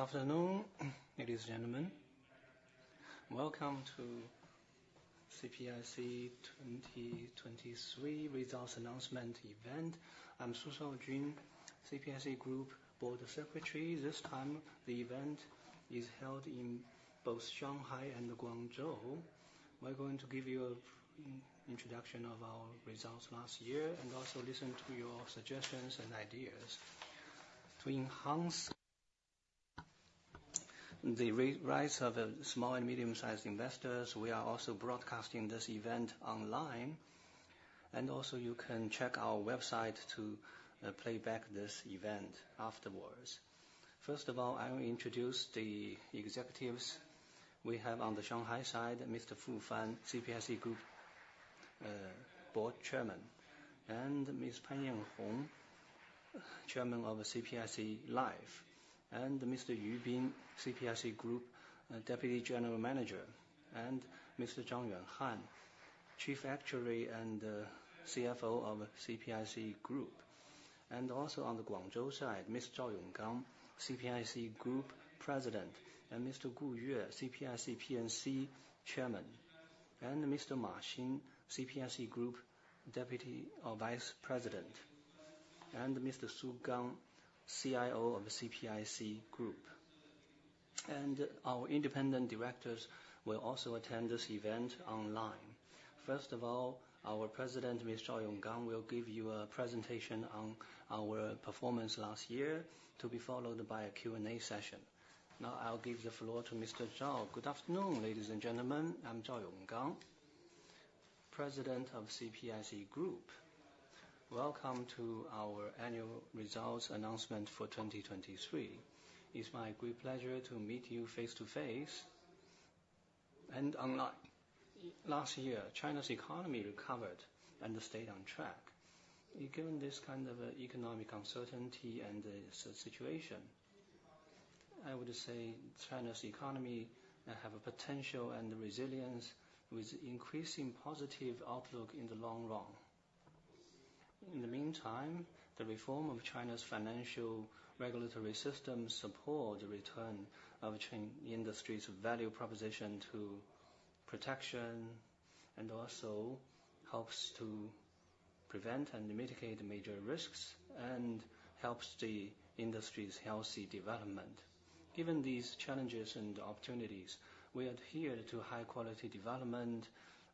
Afternoon, ladies and gentlemen. Welcome to CPIC 2023 results announcement event. I'm Su Shaojun, CPIC Group Board Secretary. This time the event is held in both Shanghai and Guangzhou. We're going to give you an introduction of our results last year and also listen to your suggestions and ideas to enhance the rights of small and medium-sized investors. We are also broadcasting this event online, and also you can check our website to play back this event afterwards. First of all, I will introduce the executives we have on the Shanghai side, Mr. Fu Fan, CPIC Group Board Chairman, and Ms. Pan Yanhong, Chairman of CPIC Life, and Mr. Yu Bin, CPIC Group Deputy General Manager, and Mr. Zhang Yuanhan, Chief Actuary and CFO of CPIC Group. And also on the Guangzhou side, Mr. Zhao Yonggang, CPIC Group President, and Mr. Gu Yue, CPIC P&C Chairman, and Mr. Ma Xin, Vice President of CPIC Group, and Mr. Su Gang, CIO of CPIC Group. Our independent directors will also attend this event online. First of all, our President, Mr. Zhao Yonggang, will give you a presentation on our performance last year to be followed by a Q&A session. Now I'll give the floor to Mr. Zhao. Good afternoon, ladies and gentlemen. I'm Zhao Yonggang, President of CPIC Group. Welcome to our annual results announcement for 2023. It's my great pleasure to meet you face to face and online. Last year, China's economy recovered and stayed on track. Given this kind of economic uncertainty and situation, I would say China's economy has potential and resilience with increasing positive outlook in the long run. In the meantime, the reform of China's financial regulatory system supports the return of industry's value proposition to protection and also helps to prevent and mitigate major risks and helps the industry's healthy development. Given these challenges and opportunities, we adhered to high-quality development,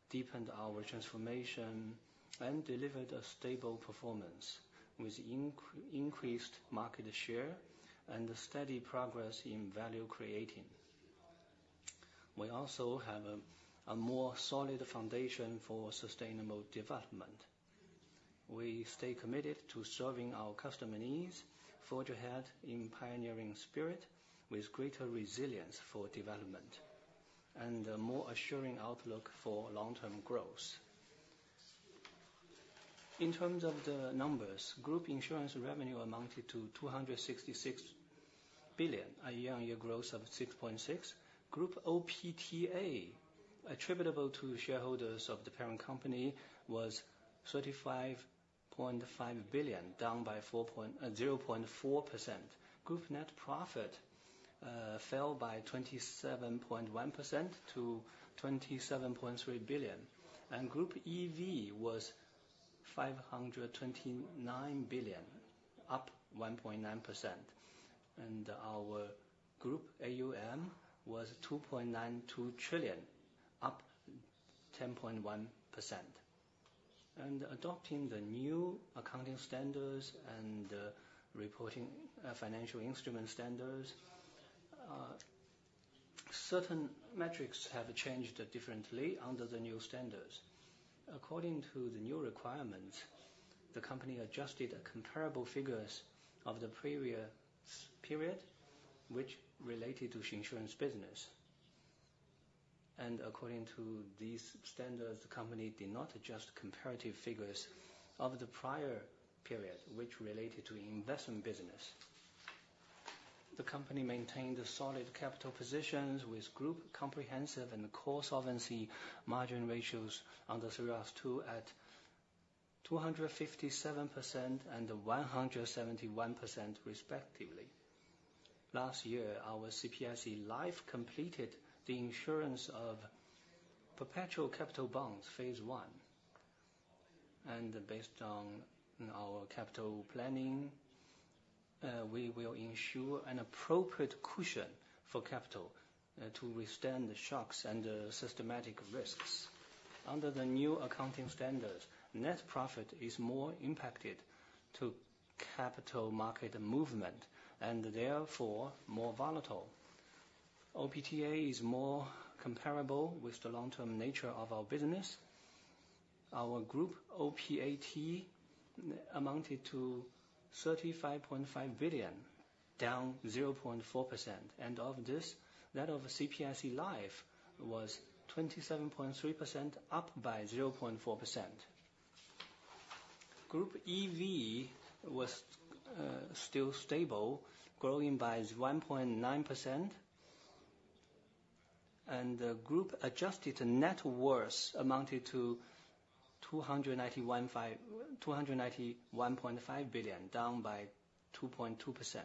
deepened our transformation, and delivered a stable performance with increased market share and steady progress in value creating. We also have a more solid foundation for sustainable development. We stay committed to serving our customer needs, forge ahead in pioneering spirit with greater resilience for development, and a more assuring outlook for long-term growth. In terms of the numbers, Group Insurance revenue amounted to 266 billion, a year-on-year growth of 6.6%. Group OPAT, attributable to shareholders of the parent company, was 35.5 billion, down by 0.4%. Group net profit fell by 27.1% to 27.3 billion, and Group EV was 529 billion, up 1.9%. Our Group AUM was 2.92 trillion, up 10.1%. Adopting the new accounting standards and reporting financial instrument standards, certain metrics have changed differently under the new standards. According to the new requirements, the company adjusted comparable figures of the previous period which related to insurance business. According to these standards, the company did not adjust comparative figures of the prior period which related to investment business. The company maintained solid capital positions with group comprehensive and core solvency margin ratios under C-ROSS II at 257% and 171%, respectively. Last year, our CPIC Life completed the issuance of perpetual capital bonds, phase I. Based on our capital planning, we will ensure an appropriate cushion for capital to withstand the shocks and systematic risks. Under the new accounting standards, net profit is more impacted to capital market movement and therefore more volatile. OPAT is more comparable with the long-term nature of our business. Our Group OPAT amounted to 35.5 billion, down 0.4%. Of this, that of CPIC Life was 27.3 billion, up by 0.4%. Group EV was still stable, growing by 1.9%. Group adjusted net worth amounted to 291.5 billion, down by 2.2%.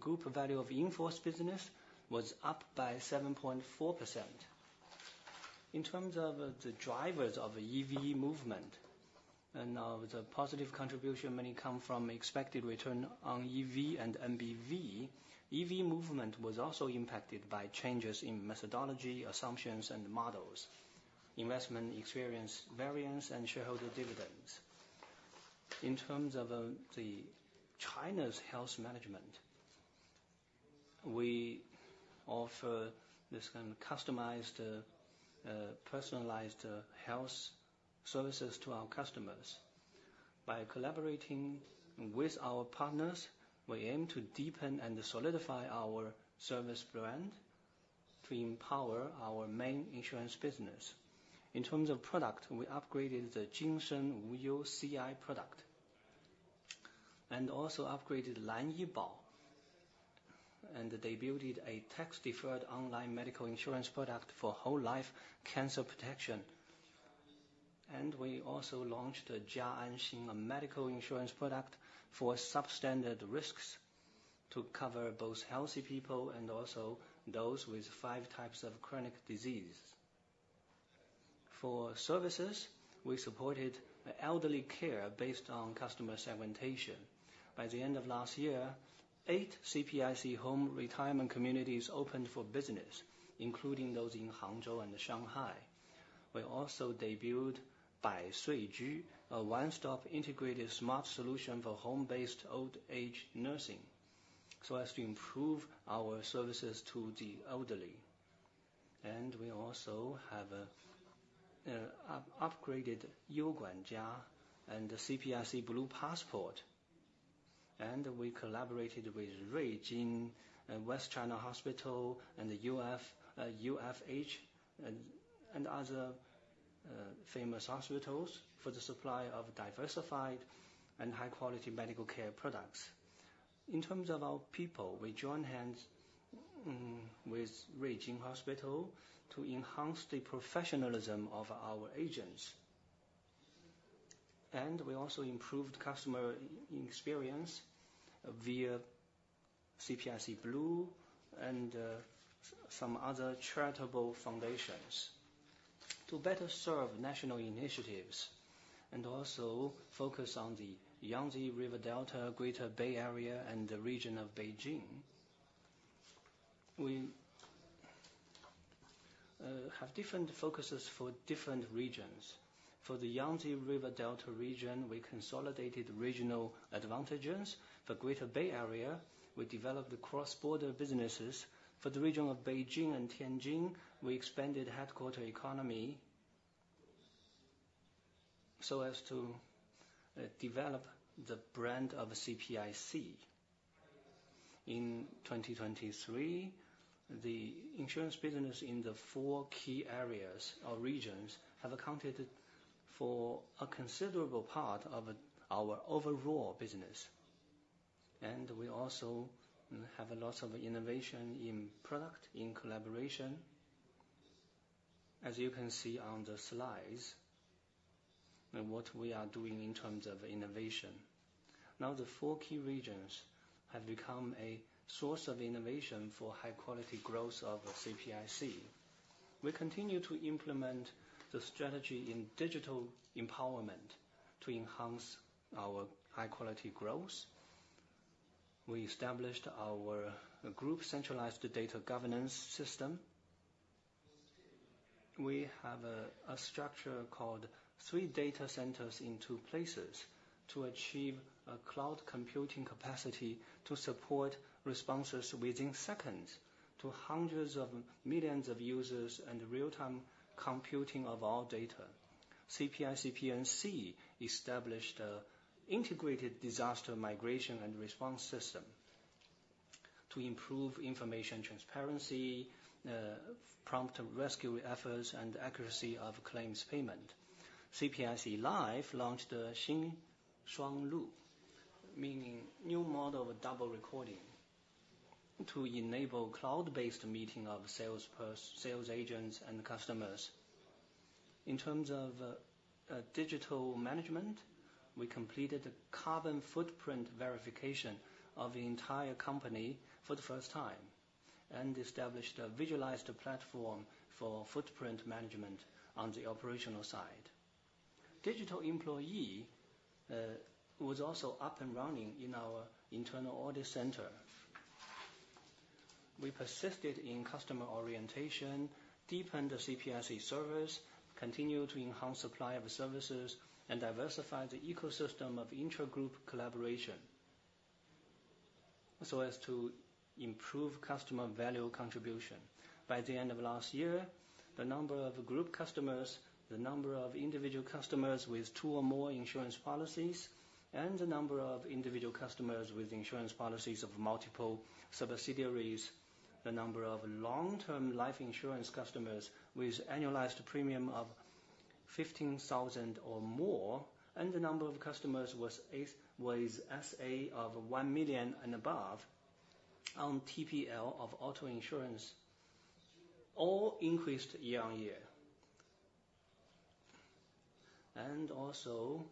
Group value of in-force business was up by 7.4%. In terms of the drivers of EV movement and of the positive contribution mainly come from expected return on EV and NBV, EV movement was also impacted by changes in methodology, assumptions, and models, investment experience variance, and shareholder dividends. In terms of China's health management, we offer this kind of customized, personalized health services to our customers. By collaborating with our partners, we aim to deepen and solidify our service brand to empower our main insurance business. In terms of product, we upgraded the Jinsheng Wuyou CI product and also upgraded Lan Yi Bao. They built a tax-deferred online medical insurance product for whole-life cancer protection. We also launched Jia An Xin, a medical insurance product for substandard risks to cover both healthy people and also those with five types of chronic diseases. For services, we supported elderly care based on customer segmentation. By the end of last year, eight CPIC Home retirement communities opened for business, including those in Hangzhou and Shanghai. We also debuted Bai Sui Ju, a one-stop integrated smart solution for home-based old-age nursing so as to improve our services to the elderly. We also have upgraded Wuyou Guanjia and the CPIC Blue Passport. We collaborated with Ruijin, West China Hospital, and UFH, and other famous hospitals for the supply of diversified and high-quality medical care products. In terms of our people, we joined hands with Ruijin Hospital to enhance the professionalism of our agents. We also improved customer experience via CPIC Blue and some other charitable foundations to better serve national initiatives and also focus on the Yangtze River Delta, Greater Bay Area, and the region of Beijing. We have different focuses for different regions. For the Yangtze River Delta region, we consolidated regional advantages. For Greater Bay Area, we developed cross-border businesses. For the region of Beijing and Tianjin, we expanded headquarters economy so as to develop the brand of CPIC. In 2023, the insurance business in the four key areas or regions have accounted for a considerable part of our overall business. We also have a lot of innovation in product in collaboration, as you can see on the slides, what we are doing in terms of innovation. Now, the four key regions have become a source of innovation for high-quality growth of CPIC. We continue to implement the strategy in digital empowerment to enhance our high-quality growth. We established our group centralized data governance system. We have a structure called three data centers in two places to achieve a cloud computing capacity to support responses within seconds to hundreds of millions of users and real-time computing of all data. CPIC P&C established an integrated disaster migration and response system to improve information transparency, prompt rescue efforts, and accuracy of claims payment. CPIC Life launched Xin Shuang Lu, meaning new model of double recording, to enable cloud-based meeting of sales agents and customers. In terms of digital management, we completed carbon footprint verification of the entire company for the first time and established a visualized platform for footprint management on the operational side. Digital employee was also up and running in our internal audit center. We persisted in customer orientation, deepened the CPIC service, continued to enhance supply of services, and diversified the ecosystem of intra-group collaboration so as to improve customer value contribution. By the end of last year, the number of group customers, the number of individual customers with two or more insurance policies, and the number of individual customers with insurance policies of multiple subsidiaries, the number of long-term life insurance customers with annualized premium of 15,000 or more, and the number of customers with SA of 1 million and above on TPL of auto insurance all increased year-on-year. And also,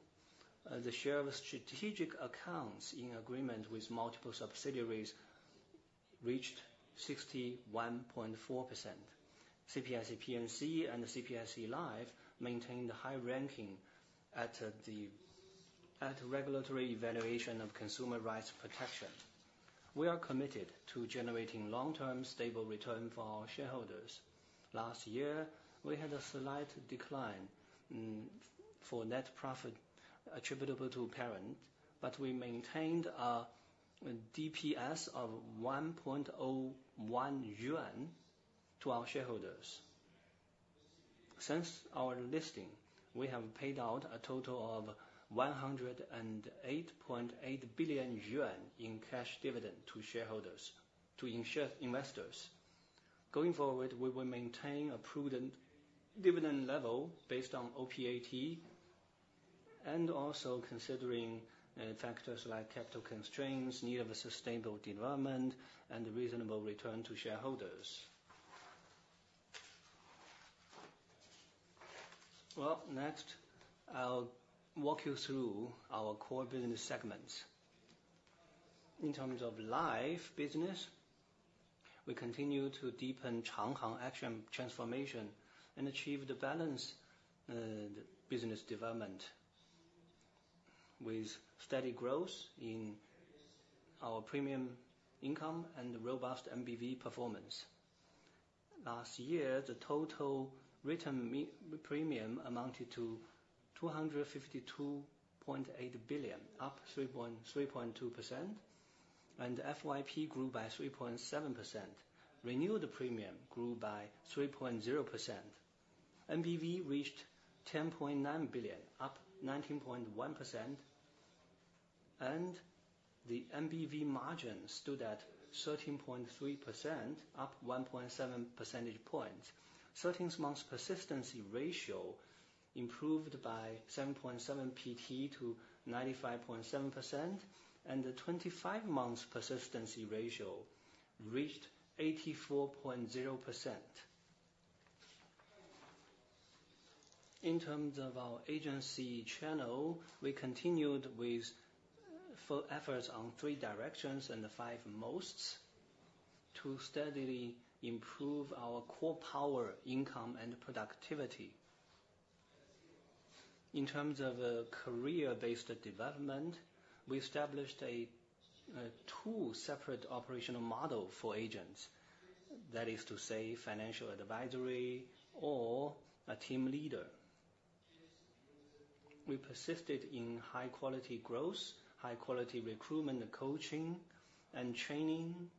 the share of strategic accounts in agreement with multiple subsidiaries reached 61.4%. CPIC P&C and CPIC Life maintained a high ranking at the regulatory evaluation of consumer rights protection. We are committed to generating long-term stable return for our shareholders. Last year, we had a slight decline for net profit attributable to parent, but we maintained a DPS of 1.01 yuan to our shareholders. Since our listing, we have paid out a total of 108.8 billion yuan in cash dividend to shareholders, to investors. Going forward, we will maintain a prudent dividend level based on OPAT and also considering factors like capital constraints, need of sustainable development, and reasonable return to shareholders. Well, next, I'll walk you through our core business segments. In terms of life business, we continue to deepen Changhang Action Transformation and achieve the balanced business development with steady growth in our premium income and robust NBV performance. Last year, the total written premium amounted to 252.8 billion, up 3.2%. FYP grew by 3.7%. Renewed premium grew by 3.0%. NBV reached CNY 10.9 billion, up 19.1%. And the NBV margin stood at 13.3%, up 1.7 percentage points. 13 months persistency ratio improved by 7.7 PT to 95.7%. And the 25 months persistency ratio reached 84.0%. In terms of our agency channel, we continued with efforts on three directions and the five mosts to steadily improve our core power, income, and productivity. In terms of career-based development, we established two separate operational models for agents, that is to say, financial advisory or a team leader. We persisted in high-quality growth, high-quality recruitment, coaching, and training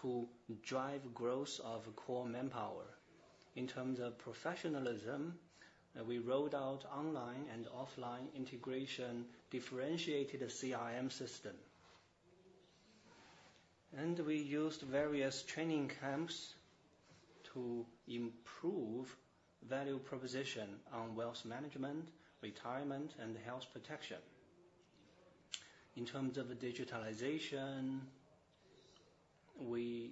to drive growth of core manpower. In terms of professionalism, we rolled out online and offline integration differentiated CRM system. And we used various training camps to improve value proposition on wealth management, retirement, and health protection. In terms of digitalization, we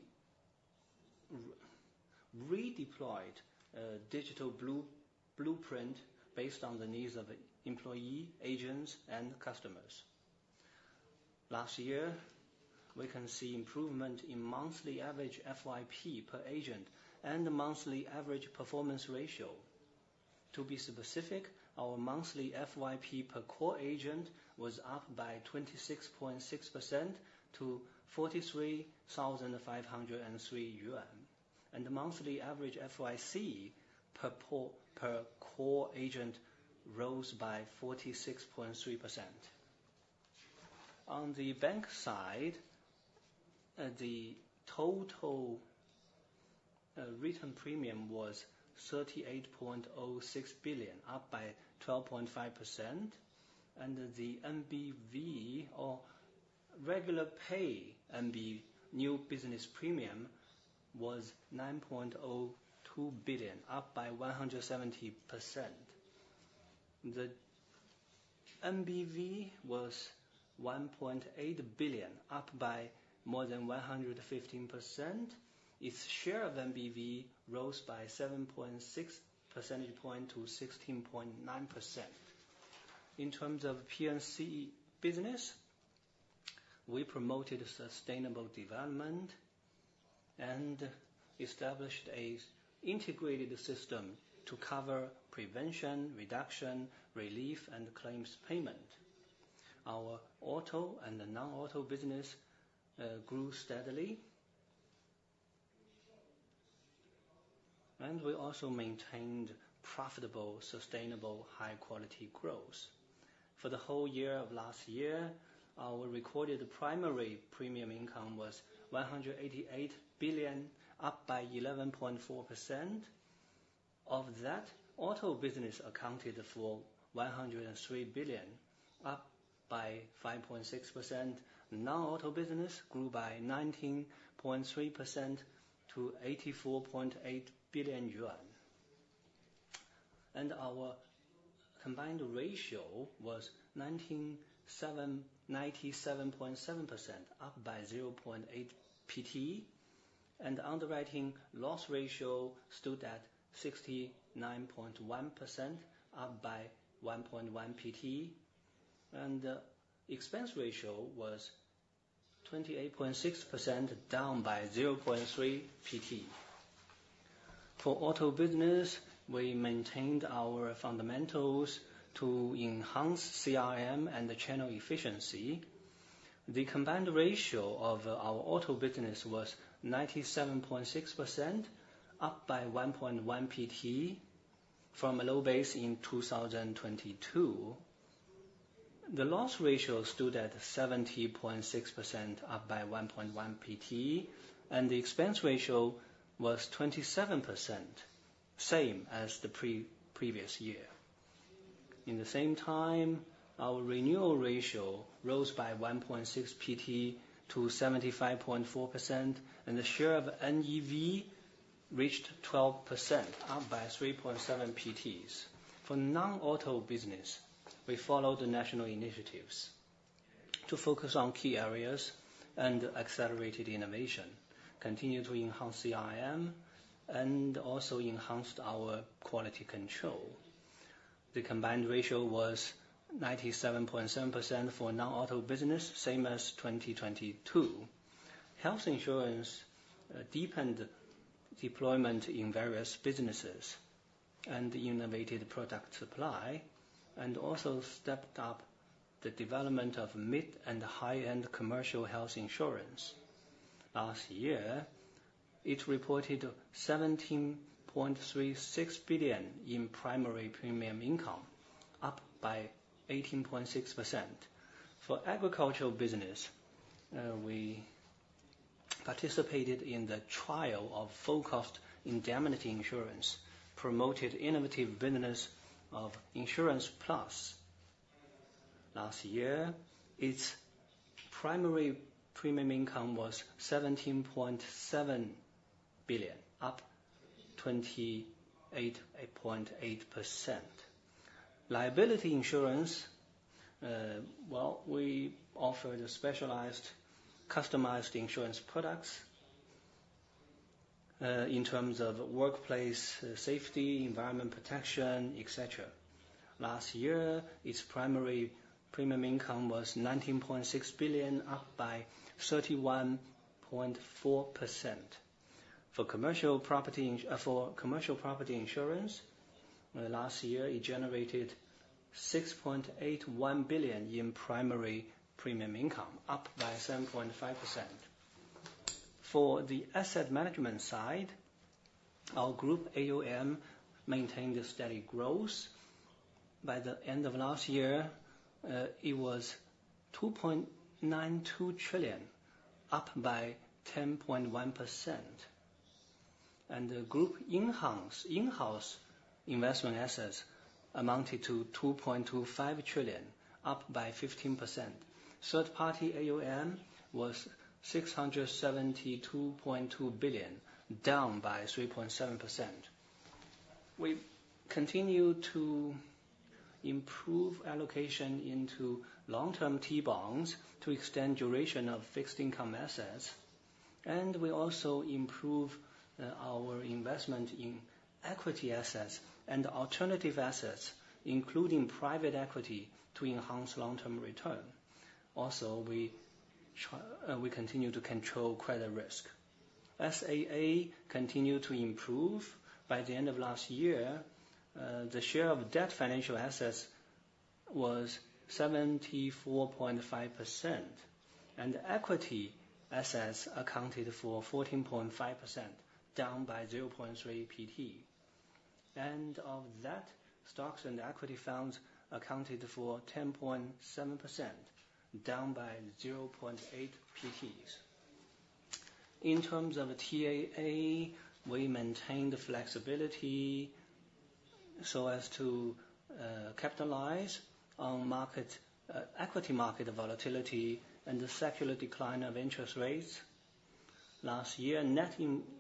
redeployed digital blueprint based on the needs of employees, agents, and customers. Last year, we can see improvement in monthly average FYP per agent and monthly average performance ratio. To be specific, our monthly FYP per core agent was up by 26.6% to 43,503 yuan. The monthly average FYC per core agent rose by 46.3%. On the bank side, the total written premium was 38.06 billion, up by 12.5%. The NBV, or regular pay NB, new business premium was 9.02 billion, up by 170%. The NBV was 1.8 billion, up by more than 115%. Its share of NBV rose by 7.6 percentage points to 16.9%. In terms of P&C business, we promoted sustainable development and established an integrated system to cover prevention, reduction, relief, and claims payment. Our auto and non-auto business grew steadily. We also maintained profitable, sustainable, high-quality growth. For the whole year of last year, our recorded primary premium income was 188 billion, up by 11.4%. Of that, auto business accounted for 103 billion, up by 5.6%. Non-auto business grew by 19.3% to CNY 84.8 billion. Our combined ratio was 97.7%, up by 0.8 PT. Underwriting loss ratio stood at 69.1%, up by 1.1 PT. Expense ratio was 28.6%, down by 0.3 PT. For auto business, we maintained our fundamentals to enhance CRM and channel efficiency. The combined ratio of our auto business was 97.6%, up by 1.1 PT from a low base in 2022. The loss ratio stood at 70.6%, up by 1.1 PT. The expense ratio was 27%, same as the previous year. In the same time, our renewal ratio rose by 1.6 PT to 75.4%. The share of NEV reached 12%, up by 3.7 PTs. For non-auto business, we followed the national initiatives to focus on key areas and accelerated innovation, continue to enhance CRM, and also enhanced our quality control. The combined ratio was 97.7% for non-auto business, same as 2022. Health insurance deepened deployment in various businesses and innovated product supply and also stepped up the development of mid and high-end commercial health insurance. Last year, it reported 17.36 billion in primary premium income, up by 18.6%. For agricultural business, we participated in the trial of full-cost indemnity insurance, promoted innovative business of Insurance Plus. Last year, its primary premium income was 17.7 billion, up 28.8%. Liability insurance, well, we offered specialized, customized insurance products in terms of workplace safety, environment protection, etc. Last year, its primary premium income was 19.6 billion, up by 31.4%. For commercial property insurance, last year, it generated 6.81 billion in primary premium income, up by 7.5%. For the asset management side, our group AUM maintained a steady growth. By the end of last year, it was 2.92 trillion, up by 10.1%. The group in-house investment assets amounted to 2.25 trillion, up by 15%. Third-party AUM was 672.2 billion, down by 3.7%. We continue to improve allocation into long-term T-bonds to extend duration of fixed income assets. We also improve our investment in equity assets and alternative assets, including private equity, to enhance long-term return. Also, we continue to control credit risk. SAA continued to improve. By the end of last year, the share of debt financial assets was 74.5%. Equity assets accounted for 14.5%, down by 0.3 percentage point. Of that, stocks and equity funds accounted for 10.7%, down by 0.8 percentage points. In terms of TAA, we maintained flexibility so as to capitalize on equity market volatility and the secular decline of interest rates. Last year, net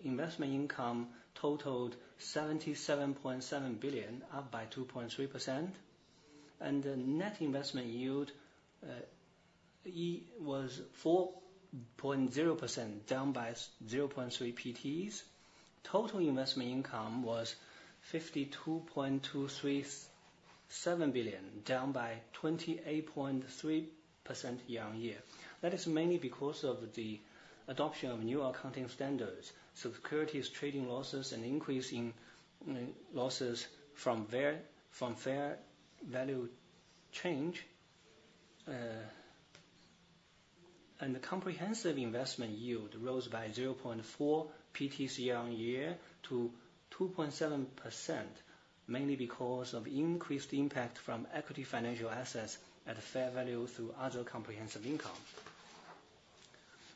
investment income totaled 77.7 billion, up by 2.3%. The net investment yield was 4.0%, down by 0.3 PTs. Total investment income was 52.237 billion, down by 28.3% year-over-year. That is mainly because of the adoption of new accounting standards, subsidiaries trading losses, and increase in losses from fair value change. The comprehensive investment yield rose by 0.4 PTs year-over-year to 2.7%, mainly because of increased impact from equity financial assets at fair value through other comprehensive income.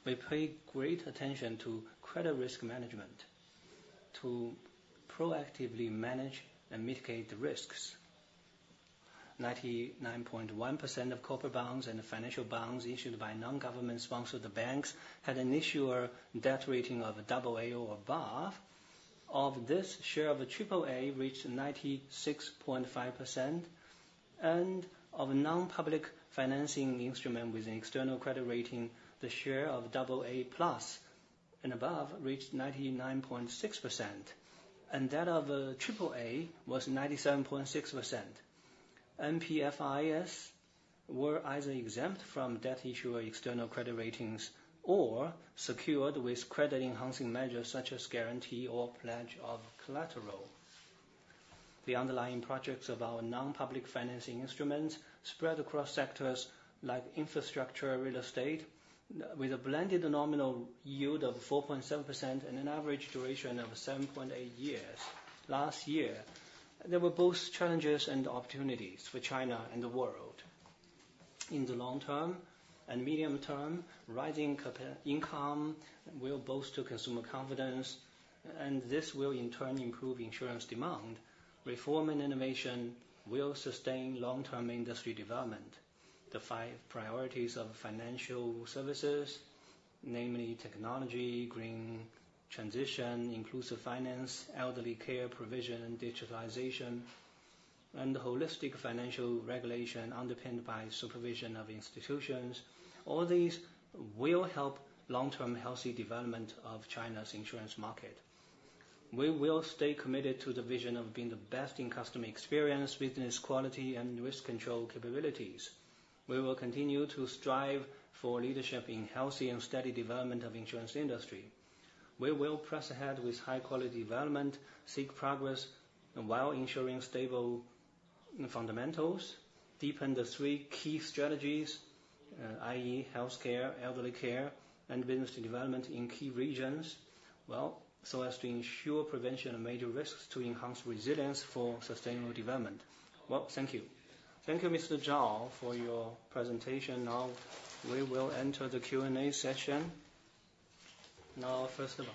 We pay great attention to credit risk management to proactively manage and mitigate the risks. 99.1% of corporate bonds and financial bonds issued by non-government-sponsored banks had an issuer debt rating of AA or above. Of this, share of AAA reached 96.5%. Of non-public financing instruments with an external credit rating, the share of AA+ and above reached 99.6%. That of AAA was 97.6%. NPFIs were either exempt from debt issuer external credit ratings or secured with credit-enhancing measures such as guarantee or pledge of collateral. The underlying projects of our non-public financing instruments spread across sectors like infrastructure, real estate, with a blended nominal yield of 4.7% and an average duration of 7.8 years. Last year, there were both challenges and opportunities for China and the world. In the long term and medium term, rising income will boost consumer confidence. This will, in turn, improve insurance demand. Reform and innovation will sustain long-term industry development, the five priorities of financial services, namely technology, green transition, inclusive finance, elderly care provision, digitalization, and holistic financial regulation underpinned by supervision of institutions. All these will help long-term healthy development of China's insurance market. We will stay committed to the vision of being the best in customer experience, business quality, and risk control capabilities. We will continue to strive for leadership in healthy and steady development of the insurance industry. We will press ahead with high-quality development, seek progress while ensuring stable fundamentals, deepen the three key strategies, i.e., healthcare, elderly care, and business development in key regions, well, so as to ensure prevention of major risks to enhance resilience for sustainable development. Well, thank you. Thank you, Mr. Zhao, for your presentation. Now, we will enter the Q&A session. Now, first of all,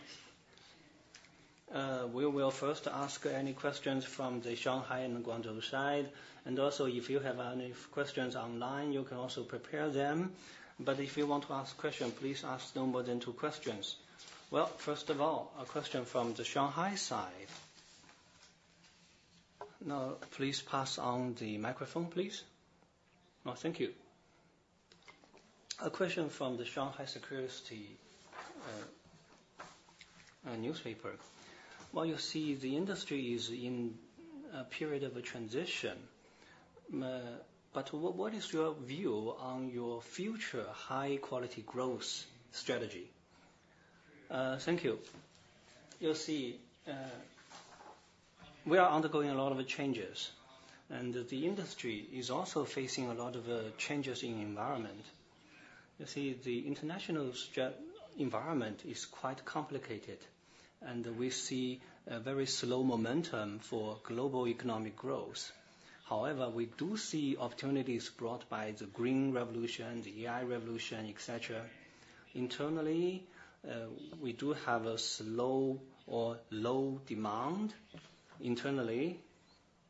we will first ask any questions from the Shanghai and Guangzhou side. And also, if you have any questions online, you can also prepare them. But if you want to ask questions, please ask no more than two questions. Well, first of all, a question from the Shanghai side. Now, please pass on the microphone, please. Oh, thank you. A question from the Shanghai Securities News. Well, you see, the industry is in a period of a transition. But what is your view on your future high-quality growth strategy? Thank you. You see, we are undergoing a lot of changes. And the industry is also facing a lot of changes in the environment. You see, the international environment is quite complicated. And we see a very slow momentum for global economic growth. However, we do see opportunities brought by the green revolution, the AI revolution, etc. Internally, we do have a slow or low demand internally.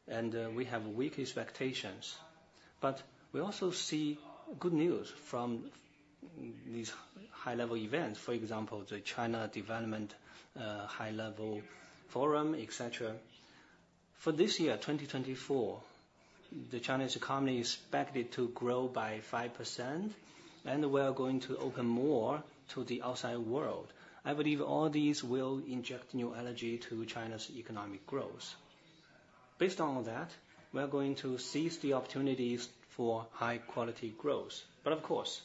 And we have weak expectations. But we also see good news from these high-level events, for example, the China Development High-Level Forum, etc. For this year, 2024, the Chinese economy is expected to grow by 5%. We are going to open more to the outside world. I believe all these will inject new energy to China's economic growth. Based on all that, we are going to seize the opportunities for high-quality growth. Of course,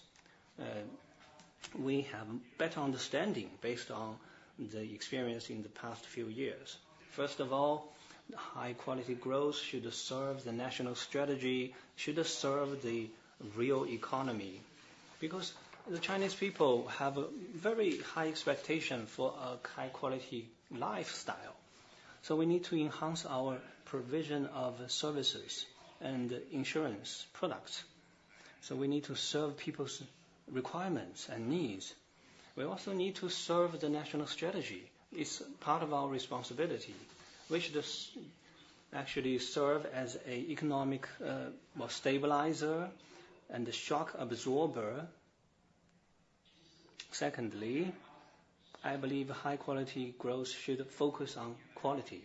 we have a better understanding based on the experience in the past few years. First of all, high-quality growth should serve the national strategy, should serve the real economy because the Chinese people have a very high expectation for a high-quality lifestyle. We need to enhance our provision of services and insurance products. We need to serve people's requirements and needs. We also need to serve the national strategy. It's part of our responsibility. We should actually serve as an economic stabilizer and a shock absorber. Secondly, I believe high-quality growth should focus on quality.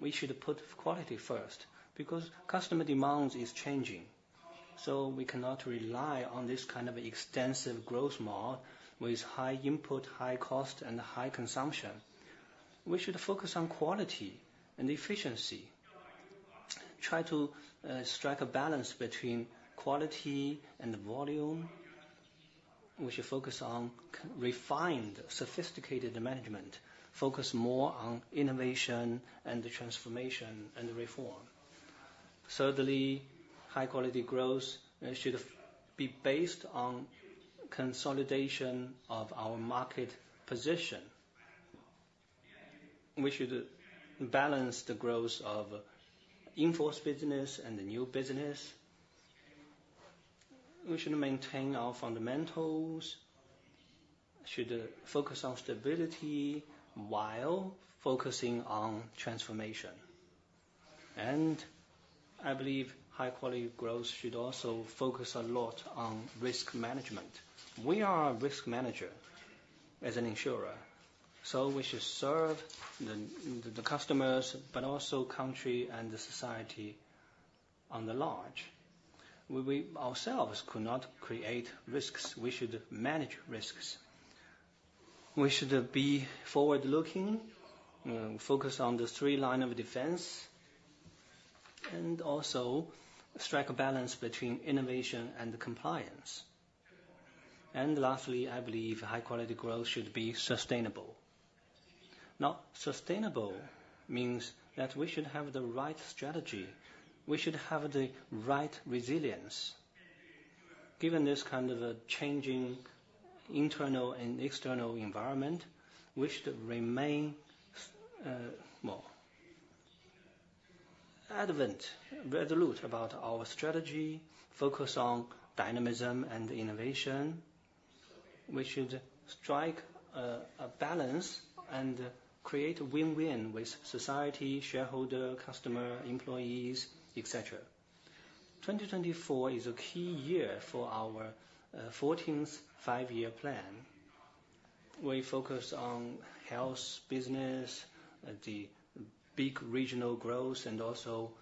We should put quality first because customer demand is changing. So we cannot rely on this kind of extensive growth model with high input, high cost, and high consumption. We should focus on quality and efficiency, try to strike a balance between quality and volume. We should focus on refined, sophisticated management, focus more on innovation and transformation and reform. Thirdly, high-quality growth should be based on consolidation of our market position. We should balance the growth of enforced business and the new business. We should maintain our fundamentals, should focus on stability while focusing on transformation. And I believe high-quality growth should also focus a lot on risk management. We are a risk manager as an insurer. So we should serve the customers but also the country and the society on the large. Ourselves could not create risks. We should manage risks. We should be forward-looking, focus on the three lines of defense, and also strike a balance between innovation and compliance. Lastly, I believe high-quality growth should be sustainable. Now, sustainable means that we should have the right strategy. We should have the right resilience. Given this kind of a changing internal and external environment, we should remain more adamant, resolute about our strategy, focus on dynamism and innovation. We should strike a balance and create a win-win with society, shareholders, customers, employees, etc. 2024 is a key year for our 14th five-year plan. We focus on health, business, the big regional growth, and also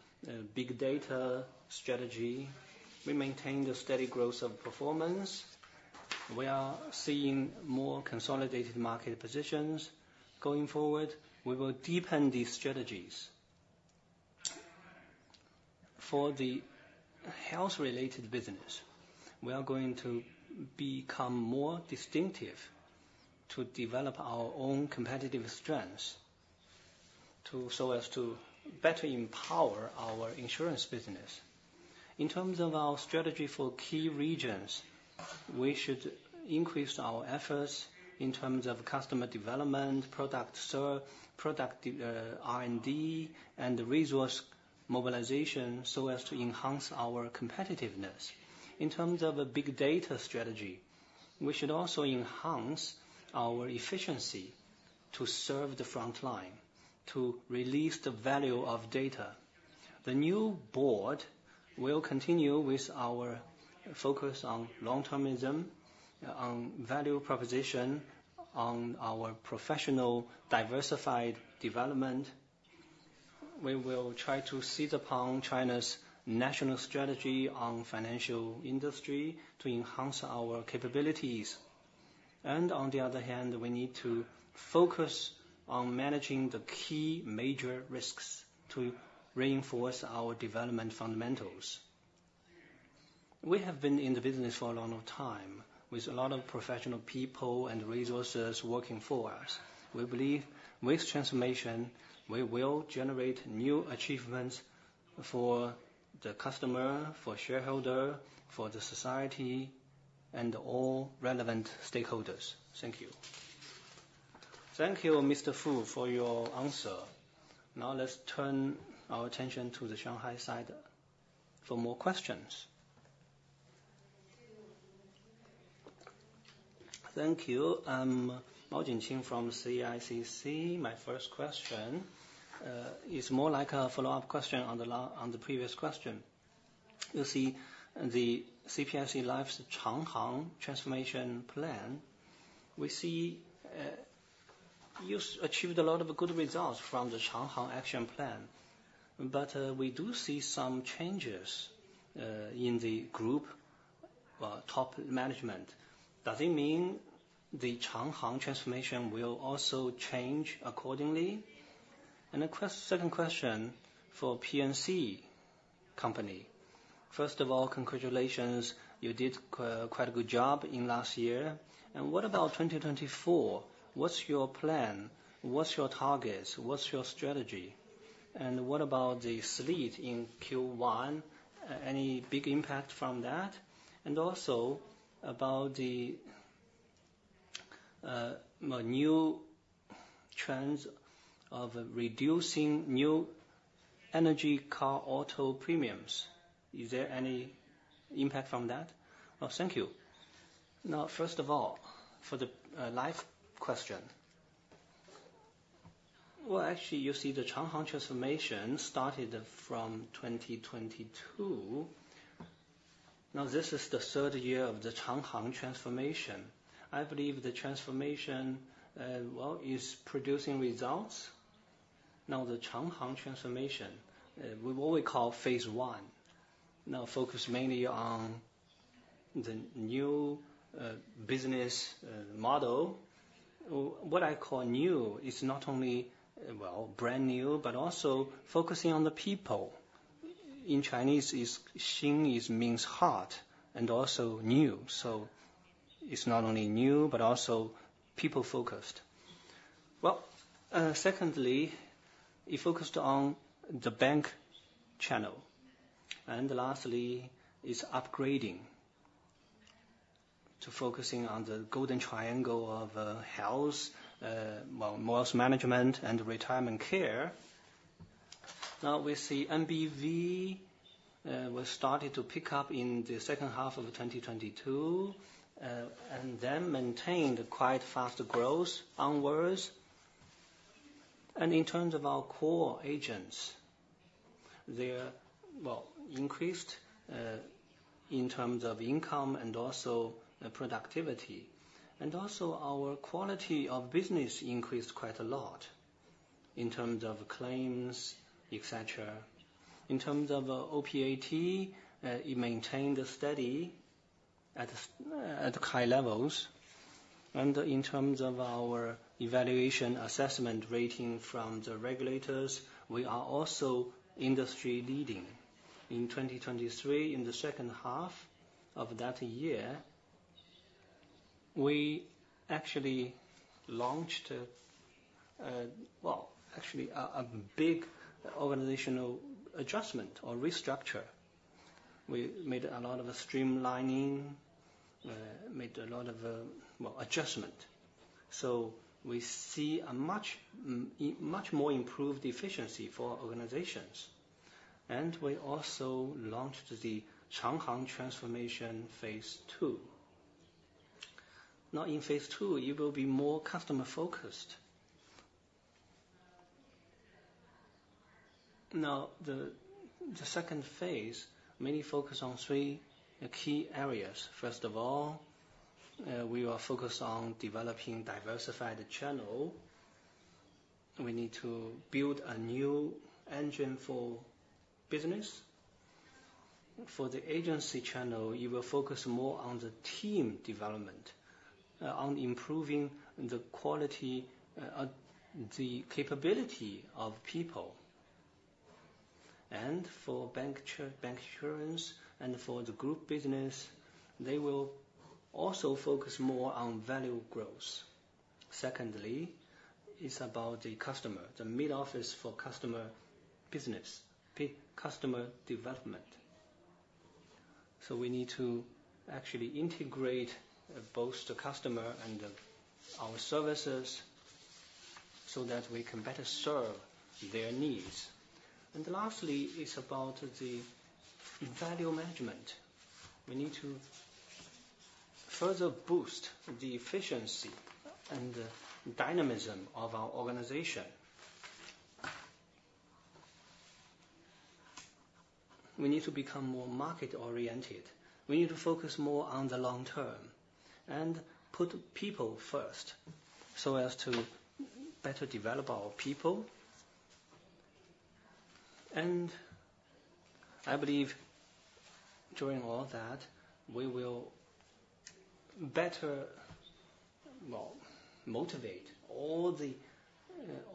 big data strategy. We maintain the steady growth of performance. We are seeing more consolidated market positions. Going forward, we will deepen these strategies. For the health-related business, we are going to become more distinctive to develop our own competitive strengths so as to better empower our insurance business. In terms of our strategy for key regions, we should increase our efforts in terms of customer development, product R&D, and resource mobilization so as to enhance our competitiveness. In terms of a big data strategy, we should also enhance our efficiency to serve the front line, to release the value of data. The new board will continue with our focus on long-termism, on value proposition, on our professional diversified development. We will try to seize upon China's national strategy on financial industry to enhance our capabilities. On the other hand, we need to focus on managing the key major risks to reinforce our development fundamentals. We have been in the business for a long time, with a lot of professional people and resources working for us. We believe with transformation, we will generate new achievements for the customer, for shareholder, for the society, and all relevant stakeholders. Thank you. Thank you, Mr. Fu, for your answer. Now, let's turn our attention to the Shanghai side for more questions. Thank you. I'm Mao Qingqing from CICC. My first question is more like a follow-up question on the previous question. You see, the CPIC Life's Changhang Transformation Plan, we see you achieved a lot of good results from the Changhang Action Plan. But we do see some changes in the group top management. Does it mean the Changhang Transformation will also change accordingly? And a second question for P&C Company. First of all, congratulations. You did quite a good job in last year. And what about 2024? What's your plan? What's your targets? What's your strategy? And what about the sleet in Q1? Any big impact from that? And also about the new trends of reducing new energy car auto premiums. Is there any impact from that? Oh, thank you. Now, first of all, for the life question. Well, actually, you see, the Changhang Transformation started from 2022. Now, this is the third year of the Changhang Transformation. I believe the transformation, well, is producing results. Now, the Changhang Transformation, we've always called phase I, now focused mainly on the new business model. What I call new is not only, well, brand new but also focusing on the people. In Chinese, Xing means heart and also new. So it's not only new but also people-focused. Well, secondly, it focused on the bank channel. Lastly, it's upgrading to focusing on the golden triangle of health, wealth management, and retirement care. Now, we see NBV was started to pick up in the second half of 2022 and then maintained quite fast growth onwards. In terms of our core agents, they're, well, increased in terms of income and also productivity. Also, our quality of business increased quite a lot in terms of claims, etc. In terms of OPAT, it maintained steady at high levels. In terms of our evaluation assessment rating from the regulators, we are also industry-leading. In 2023, in the second half of that year, we actually launched, well, actually a big organizational adjustment or restructure. We made a lot of streamlining, made a lot of, well, adjustment. We see a much more improved efficiency for organizations. We also launched the Changhang Transformation Phase II. Now, in Phase II, it will be more customer-focused. Now, the second phase mainly focuses on three key areas. First of all, we are focused on developing diversified channel. We need to build a new engine for business. For the agency channel, it will focus more on the team development, on improving the quality, the capability of people. For bank insurance and for the group business, they will also focus more on value growth. Secondly, it's about the customer, the mid-office for customer business, customer development. So we need to actually integrate both the customer and our services so that we can better serve their needs. Lastly, it's about the value management. We need to further boost the efficiency and dynamism of our organization. We need to become more market-oriented. We need to focus more on the long term and put people first so as to better develop our people. I believe during all that, we will better, well, motivate all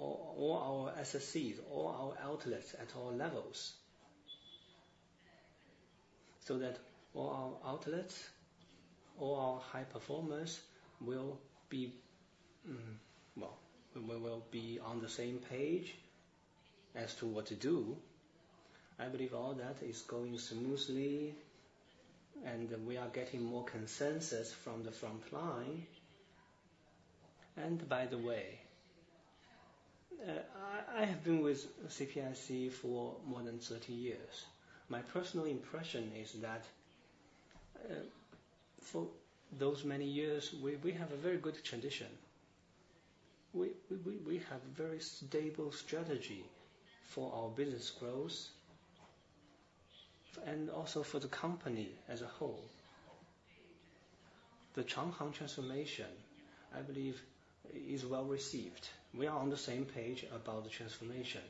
our SSCs, all our outlets at all levels so that all our outlets, all our high performers will be, well, we will be on the same page as to what to do. I believe all that is going smoothly. We are getting more consensus from the front line. By the way, I have been with CPIC for more than 30 years. My personal impression is that for those many years, we have a very good tradition. We have a very stable strategy for our business growth and also for the company as a whole. The Changhang Transformation, I believe, is well received. We are on the same page about the transformation.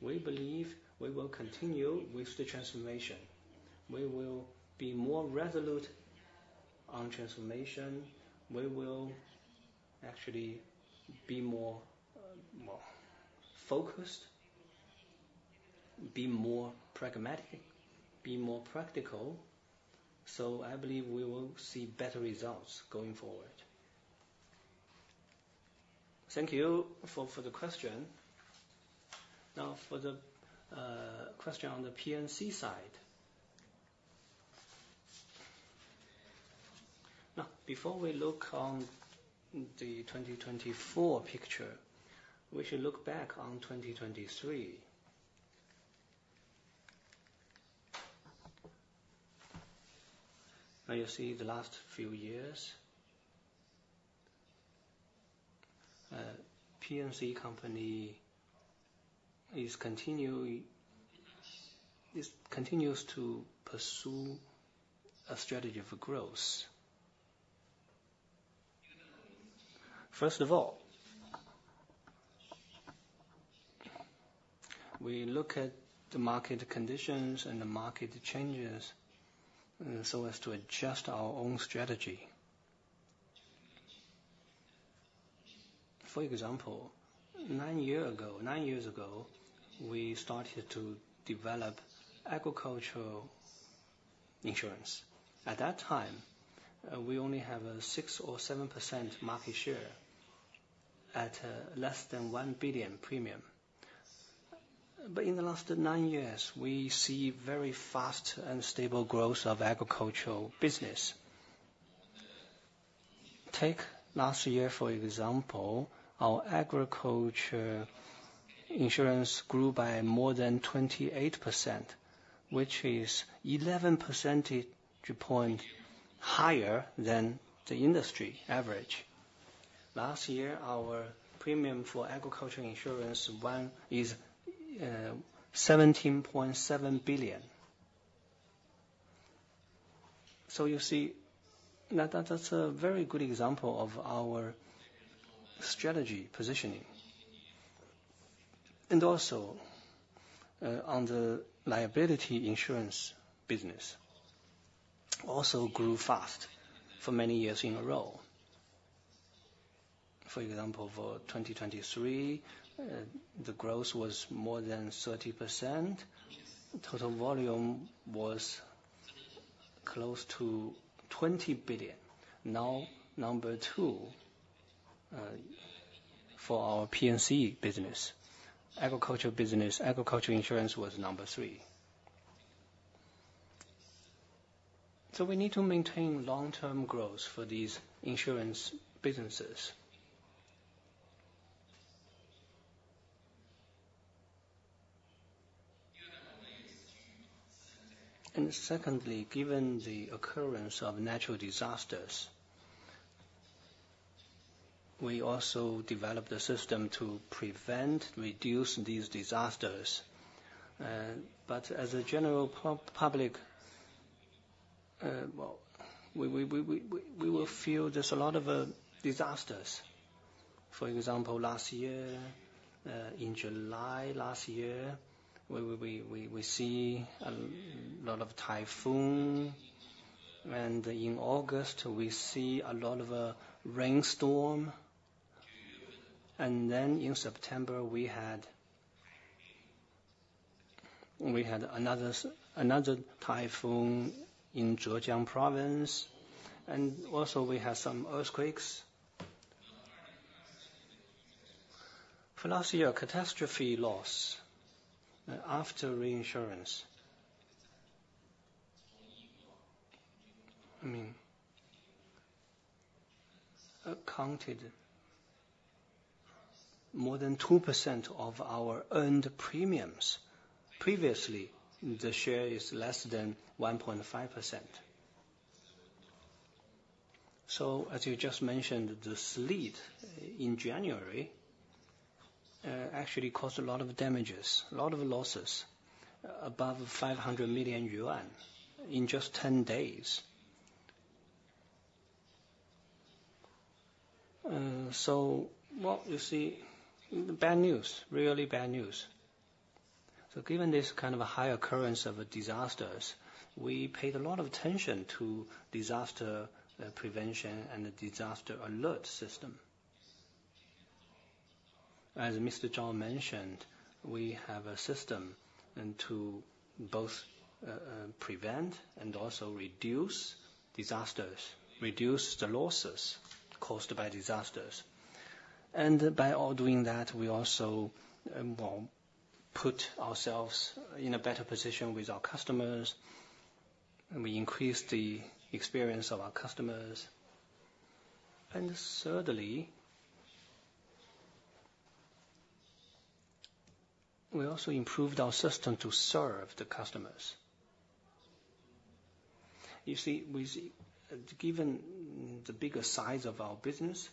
We believe we will continue with the transformation. We will be more resolute on transformation. We will actually be more, well, focused, be more pragmatic, be more practical. So I believe we will see better results going forward. Thank you for the question. Now, for the question on the P&C side. Now, before we look on the 2024 picture, we should look back on 2023. Now, you see the last few years. P&C Company continues to pursue a strategy for growth. First of all, we look at the market conditions and the market changes so as to adjust our own strategy. For example, nine years ago, nine years ago, we started to develop agricultural insurance. At that time, we only have a 6% or 7% market share at less than 1 billion premium. But in the last nine years, we see very fast and stable growth of agricultural business. Take last year, for example. Our agriculture insurance grew by more than 28%, which is 11 percentage points higher than the industry average. Last year, our premium for agriculture insurance is CNY 17.7 billion. So you see, that's a very good example of our strategy positioning. And also, on the liability insurance business, also grew fast for many years in a row. For example, for 2023, the growth was more than 30%. Total volume was close to 20 billion. Now, number two for our PNC business, agriculture business, agriculture insurance was number three. So we need to maintain long-term growth for these insurance businesses. And secondly, given the occurrence of natural disasters, we also developed a system to prevent, reduce these disasters. But as a general public, well, we will feel there's a lot of disasters. For example, last year, in July last year, we see a lot of typhoon. And in August, we see a lot of a rainstorm. And then in September, we had another typhoon in Zhejiang Province. And also, we had some earthquakes. For last year, catastrophe loss after reinsurance accounted for more than 2% of our earned premiums. Previously, the share is less than 1.5%. So as you just mentioned, the sleet in January actually caused a lot of damages, a lot of losses, above 500 million yuan in just 10 days. So what you see, bad news, really bad news. So given this kind of high occurrence of disasters, we paid a lot of attention to disaster prevention and the disaster alert system. As Mr. Zhao mentioned, we have a system to both prevent and also reduce disasters, reduce the losses caused by disasters. And by all doing that, we also, well, put ourselves in a better position with our customers. We increased the experience of our customers. And thirdly, we also improved our system to serve the customers. You see, given the bigger size of our business,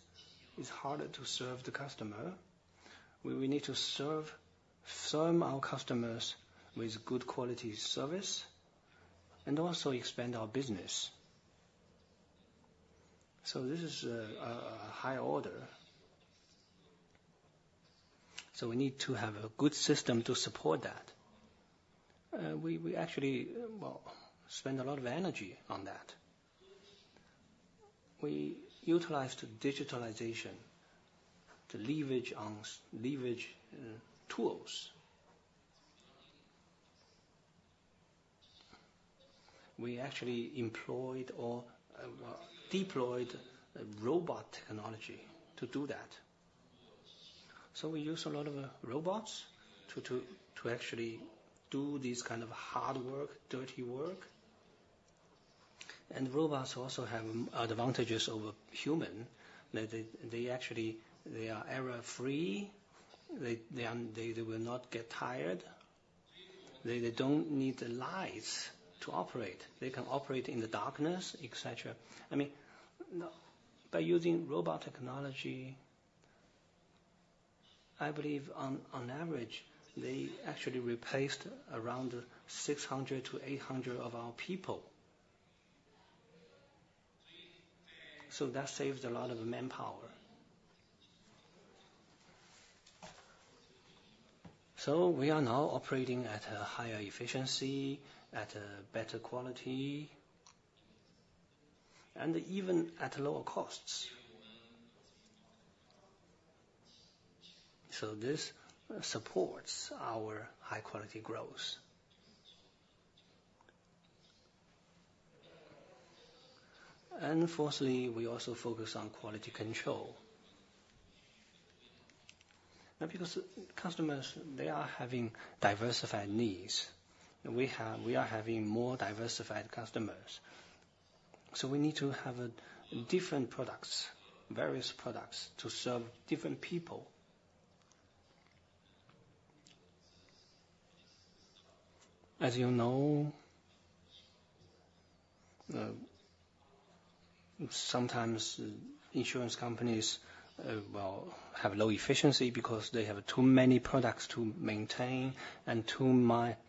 it's harder to serve the customer. We need to serve our customers with good quality service and also expand our business. So this is a high order. So we need to have a good system to support that. We actually, well, spend a lot of energy on that. We utilized digitalization to leverage tools. We actually employed or deployed robot technology to do that. So we use a lot of robots to actually do this kind of hard work, dirty work. And robots also have advantages over human. They actually, they are error-free. They will not get tired. They don't need the lights to operate. They can operate in the darkness, etc. I mean, by using robot technology, I believe, on average, they actually replaced around 600-800 of our people. So that saved a lot of manpower. So we are now operating at a higher efficiency, at a better quality, and even at lower costs. So this supports our high-quality growth. And fourthly, we also focus on quality control. Now, because customers, they are having diversified needs. We are having more diversified customers. So we need to have different products, various products to serve different people. As you know, sometimes insurance companies, well, have low efficiency because they have too many products to maintain and too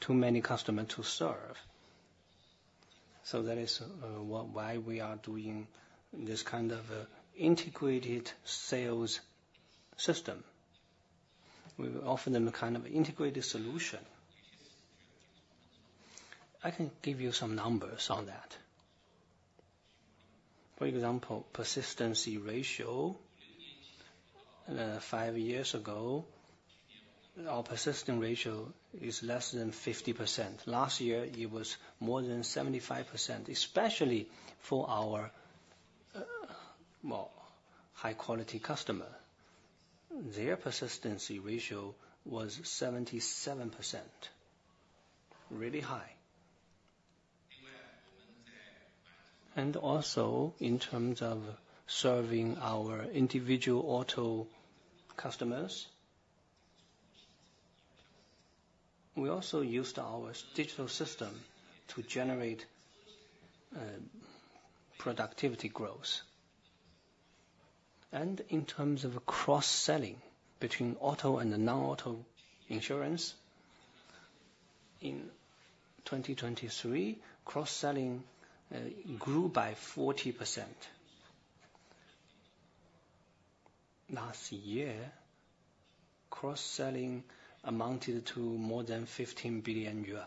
many customers to serve. So that is why we are doing this kind of integrated sales system. We will offer them a kind of integrated solution. I can give you some numbers on that. For example, persistency ratio 5 years ago, our persistency ratio is less than 50%. Last year, it was more than 75%, especially for our, well, high-quality customer. Their persistency ratio was 77%, really high. Also, in terms of serving our individual auto customers, we also used our digital system to generate productivity growth. In terms of cross-selling between auto and non-auto insurance, in 2023, cross-selling grew by 40%. Last year, cross-selling amounted to more than 15 billion yuan.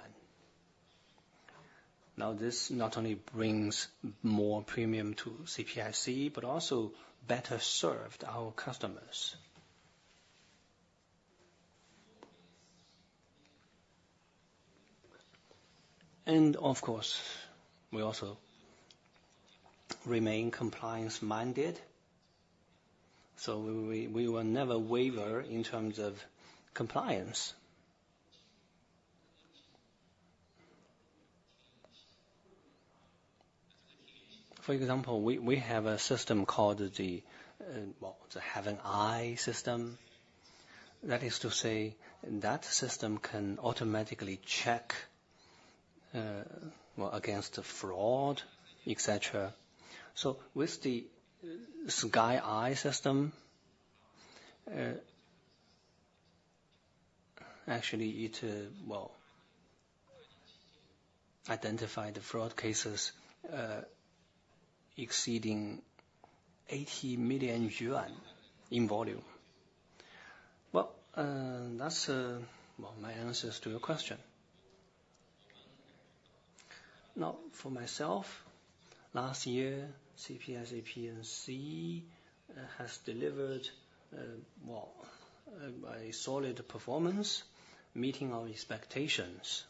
Now, this not only brings more premium to CPIC but also better serves our customers. Of course, we also remain compliance-minded. So we will never waver in terms of compliance. For example, we have a system called the, well, the Sky Eye system. That is to say, that system can automatically check, well, against fraud, etc. So with the SkyEye system, actually, it, well, identified fraud cases exceeding 80 million yuan in volume. Well, that's, well, my answers to your question. Now, for myself, last year, CPIC P&C has delivered, well, a solid performance meeting our expectations.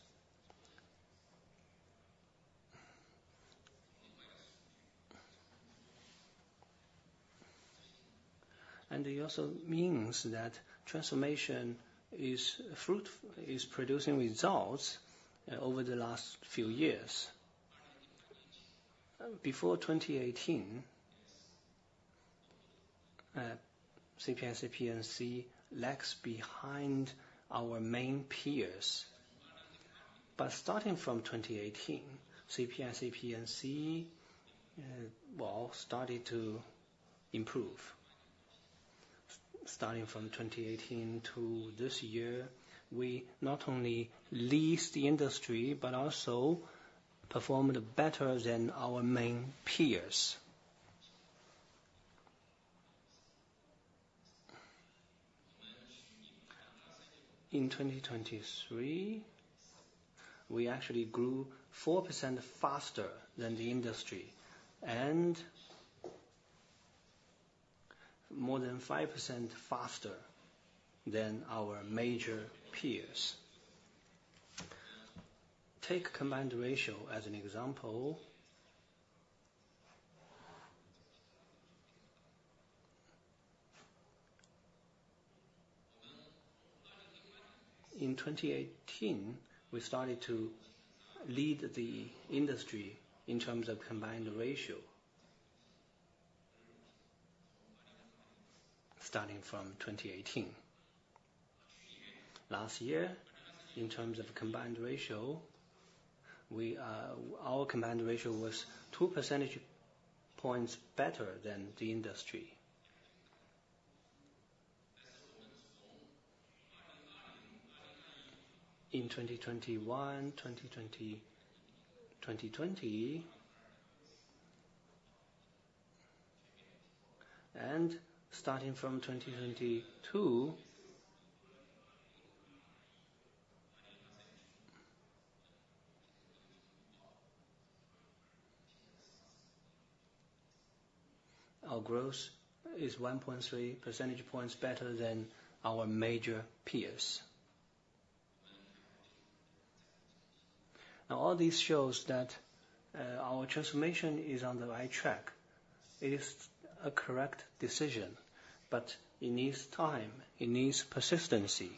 And it also means that transformation is producing results over the last few years. Before 2018, CPIC P&C lags behind our main peers. But starting from 2018, CPIC P&C, well, started to improve. Starting from 2018 to this year, we not only led the industry but also performed better than our main peers. In 2023, we actually grew 4% faster than the industry and more than 5% faster than our major peers. Take combined ratio as an example. In 2018, we started to lead the industry in terms of combined ratio starting from 2018. Last year, in terms of combined ratio, our combined ratio was 2 percentage points better than the industry. In 2021, 2020, 2020. Starting from 2022, our growth is 1.3 percentage points better than our major peers. Now, all this shows that our transformation is on the right track. It is a correct decision, but it needs time. It needs persistency.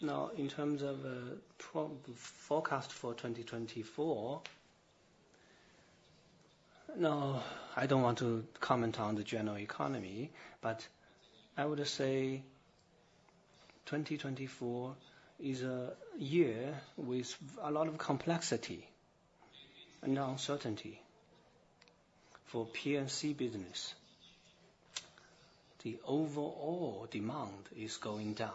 Now, in terms of forecast for 2024, now, I don't want to comment on the general economy, but I would say 2024 is a year with a lot of complexity and uncertainty for P&C business. The overall demand is going down.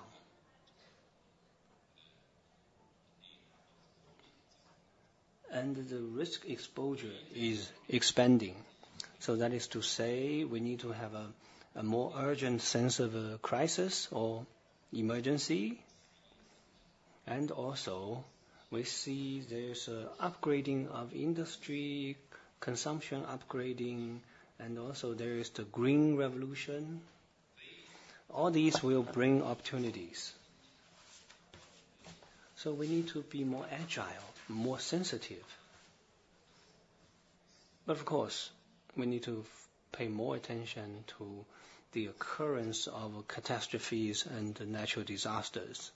And the risk exposure is expanding. So that is to say, we need to have a more urgent sense of a crisis or emergency. And also, we see there's an upgrading of industry, consumption upgrading, and also there is the green revolution. All these will bring opportunities. So we need to be more agile, more sensitive. But of course, we need to pay more attention to the occurrence of catastrophes and natural disasters.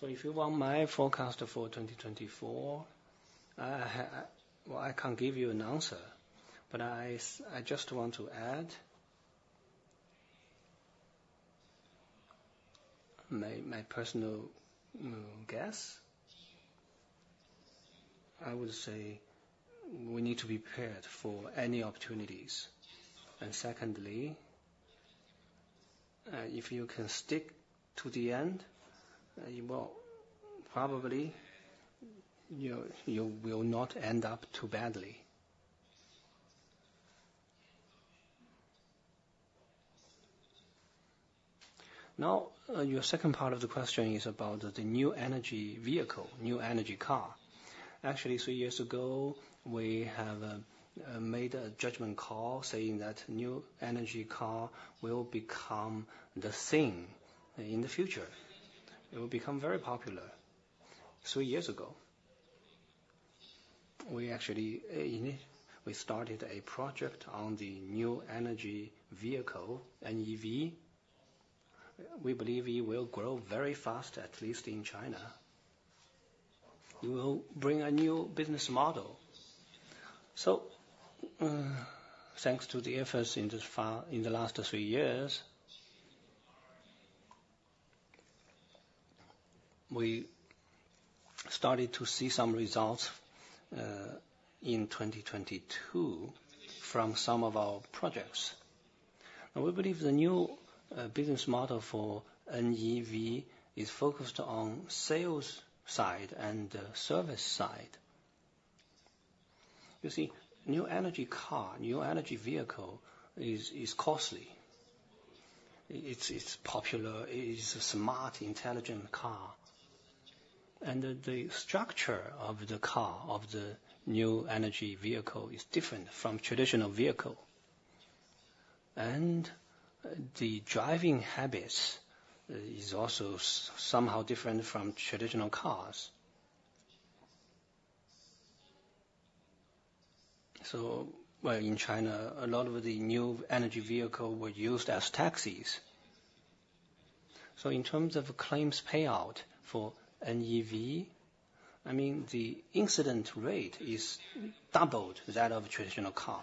So if you want my forecast for 2024, well, I can't give you an answer, but I just want to add my personal guess. I would say we need to be prepared for any opportunities. And secondly, if you can stick to the end, well, probably you will not end up too badly. Now, your second part of the question is about the new energy vehicle, new energy car. Actually, three years ago, we have made a judgment call saying that new energy car will become the thing in the future. It will become very popular. Three years ago, we actually started a project on the new energy vehicle, NEV. We believe it will grow very fast, at least in China. It will bring a new business model. So thanks to the efforts in the last three years, we started to see some results in 2022 from some of our projects. Now, we believe the new business model for NEV is focused on sales side and service side. You see, new energy car, new energy vehicle is costly. It's popular. It is a smart, intelligent car. And the structure of the car, of the new energy vehicle, is different from traditional vehicle. And the driving habits is also somehow different from traditional cars. So in China, a lot of the new energy vehicle were used as taxis. So in terms of claims payout for NEV, I mean, the incident rate is doubled that of traditional car.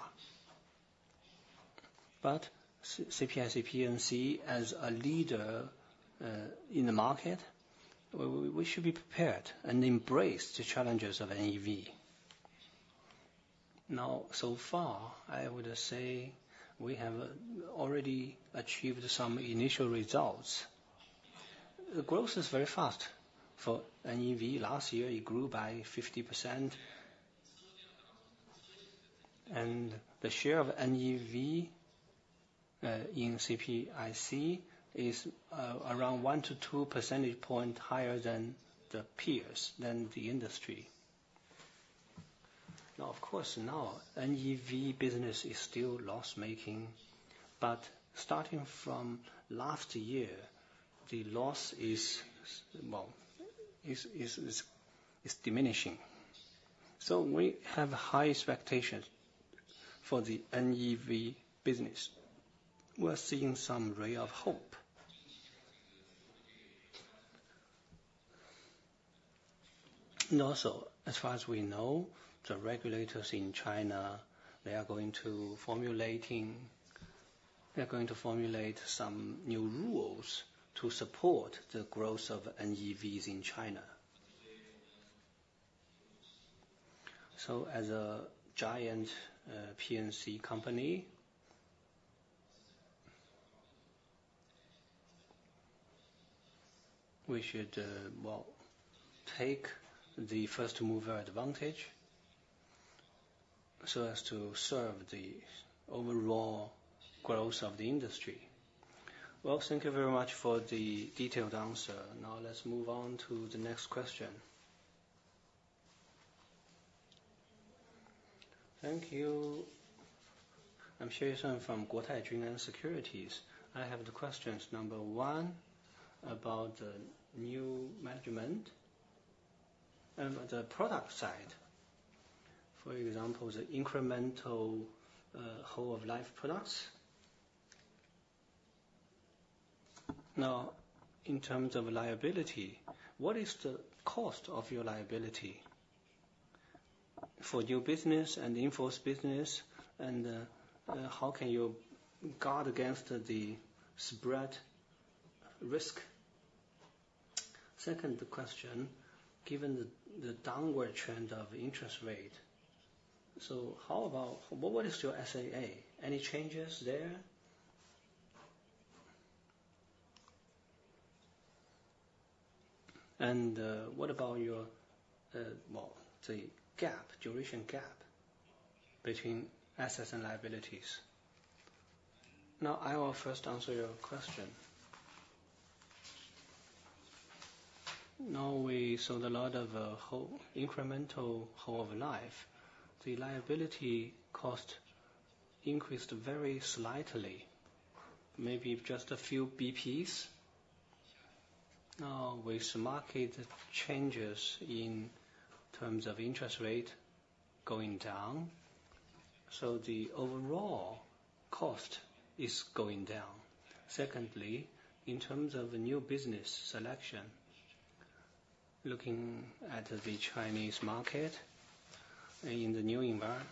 But CPIC P&C, as a leader in the market, we should be prepared and embrace the challenges of NEV. Now, so far, I would say we have already achieved some initial results. The growth is very fast for NEV. Last year, it grew by 50%. And the share of NEV in CPIC is around 1-2 percentage points higher than the peers, than the industry. Now, of course, now, NEV business is still loss-making, but starting from last year, the loss is, well, it's diminishing. So we have high expectations for the NEV business. We're seeing some ray of hope. And also, as far as we know, the regulators in China, they are going to formulate they are going to formulate some new rules to support the growth of NEVs in China. So as a giant P&C company, we should, well, take the first mover advantage so as to serve the overall growth of the industry. Well, thank you very much for the detailed answer. Now, let's move on to the next question. Thank you. I'm Xiaosheng from Guotai Junan Securities. I have the question number one about the new management and the product side. For example, the incremental whole-of-life products. Now, in terms of liability, what is the cost of your liability for your business and in-force business, and how can you guard against the spread risk? Second question, given the downward trend of interest rate, so how about what is your SAA? Any changes there? And what about your, well, the gap, duration gap between assets and liabilities? Now, I will first answer your question. Now, we saw a lot of incremental whole-of-life. The liability cost increased very slightly, maybe just a few BPs. Now, with market changes in terms of interest rate going down, so the overall cost is going down. Secondly, in terms of new business selection, looking at the Chinese market in the new environment.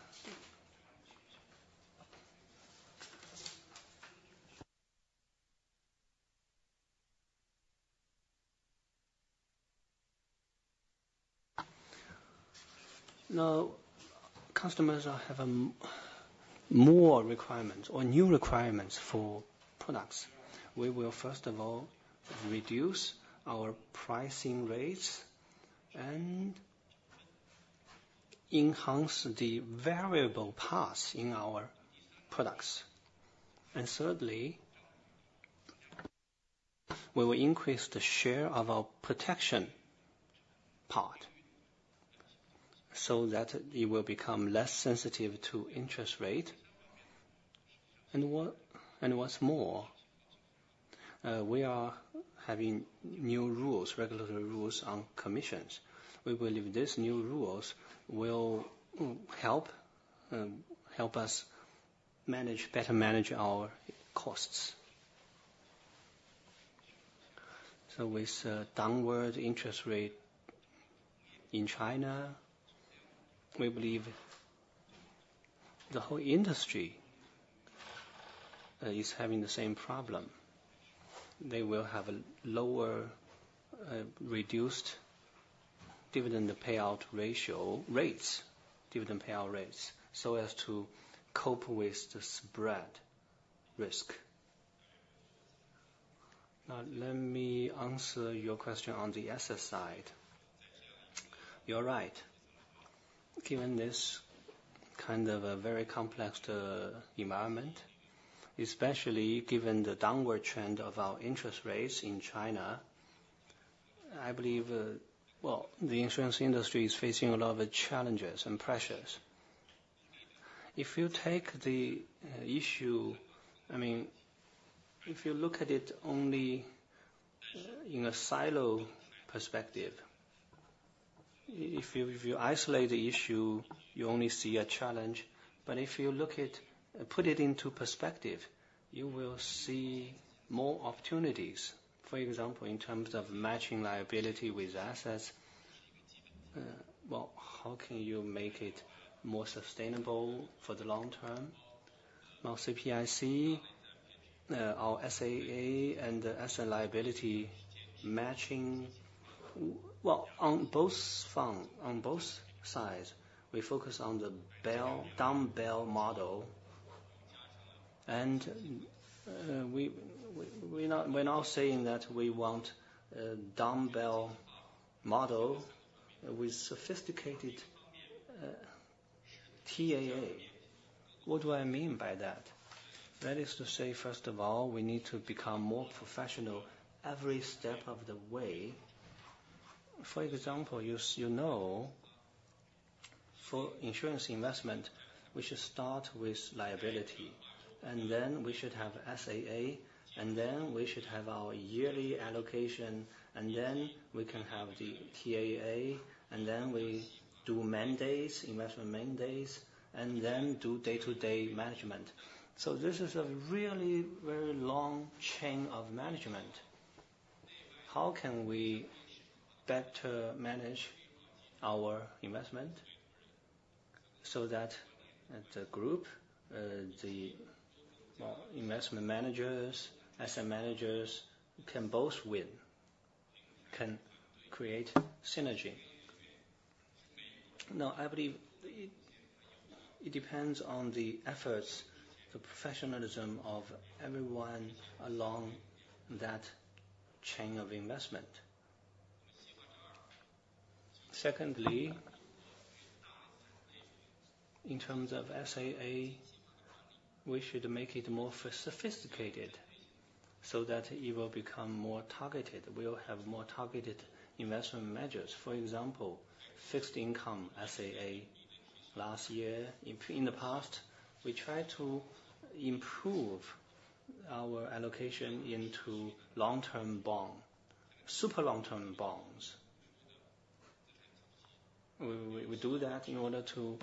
Now, customers have more requirements or new requirements for products. We will, first of all, reduce our pricing rates and enhance the variable parts in our products. And thirdly, we will increase the share of our protection part so that it will become less sensitive to interest rate. And what's more, we are having new rules, regulatory rules on commissions. We believe these new rules will help us better manage our costs. So with downward interest rate in China, we believe the whole industry is having the same problem. They will have reduced dividend payout rates, dividend payout rates, so as to cope with the spread risk. Now, let me answer your question on the asset side. You're right. Given this kind of a very complex environment, especially given the downward trend of our interest rates in China, I believe, well, the insurance industry is facing a lot of challenges and pressures. If you take the issue, I mean, if you look at it only in a silo perspective, if you isolate the issue, you only see a challenge. But if you put it into perspective, you will see more opportunities. For example, in terms of matching liability with assets, well, how can you make it more sustainable for the long term? Now, CPIC, our SAA, and asset liability matching, well, on both sides, we focus on the dumbbell model. And we're not saying that we want a dumbbell model with sophisticated TAA. What do I mean by that? That is to say, first of all, we need to become more professional every step of the way. For example, you know, for insurance investment, we should start with liability, and then we should have SAA, and then we should have our yearly allocation, and then we can have the TAA, and then we do mandates, investment mandates, and then do day-to-day management. So this is a really very long chain of management. How can we better manage our investment so that the group, the investment managers, asset managers can both win, can create synergy? Now, I believe it depends on the efforts, the professionalism of everyone along that chain of investment. Secondly, in terms of SAA, we should make it more sophisticated so that it will become more targeted. We will have more targeted investment measures. For example, fixed income SAA. Last year, in the past, we tried to improve our allocation into long-term bond, super long-term bonds. We do that in order to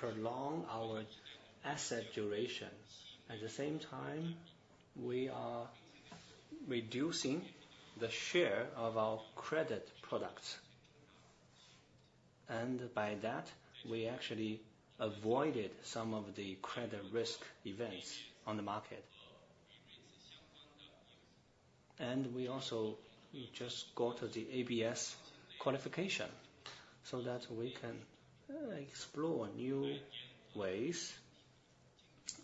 prolong our asset duration. At the same time, we are reducing the share of our credit products. By that, we actually avoided some of the credit risk events on the market. We also just got the ABS qualification so that we can explore new ways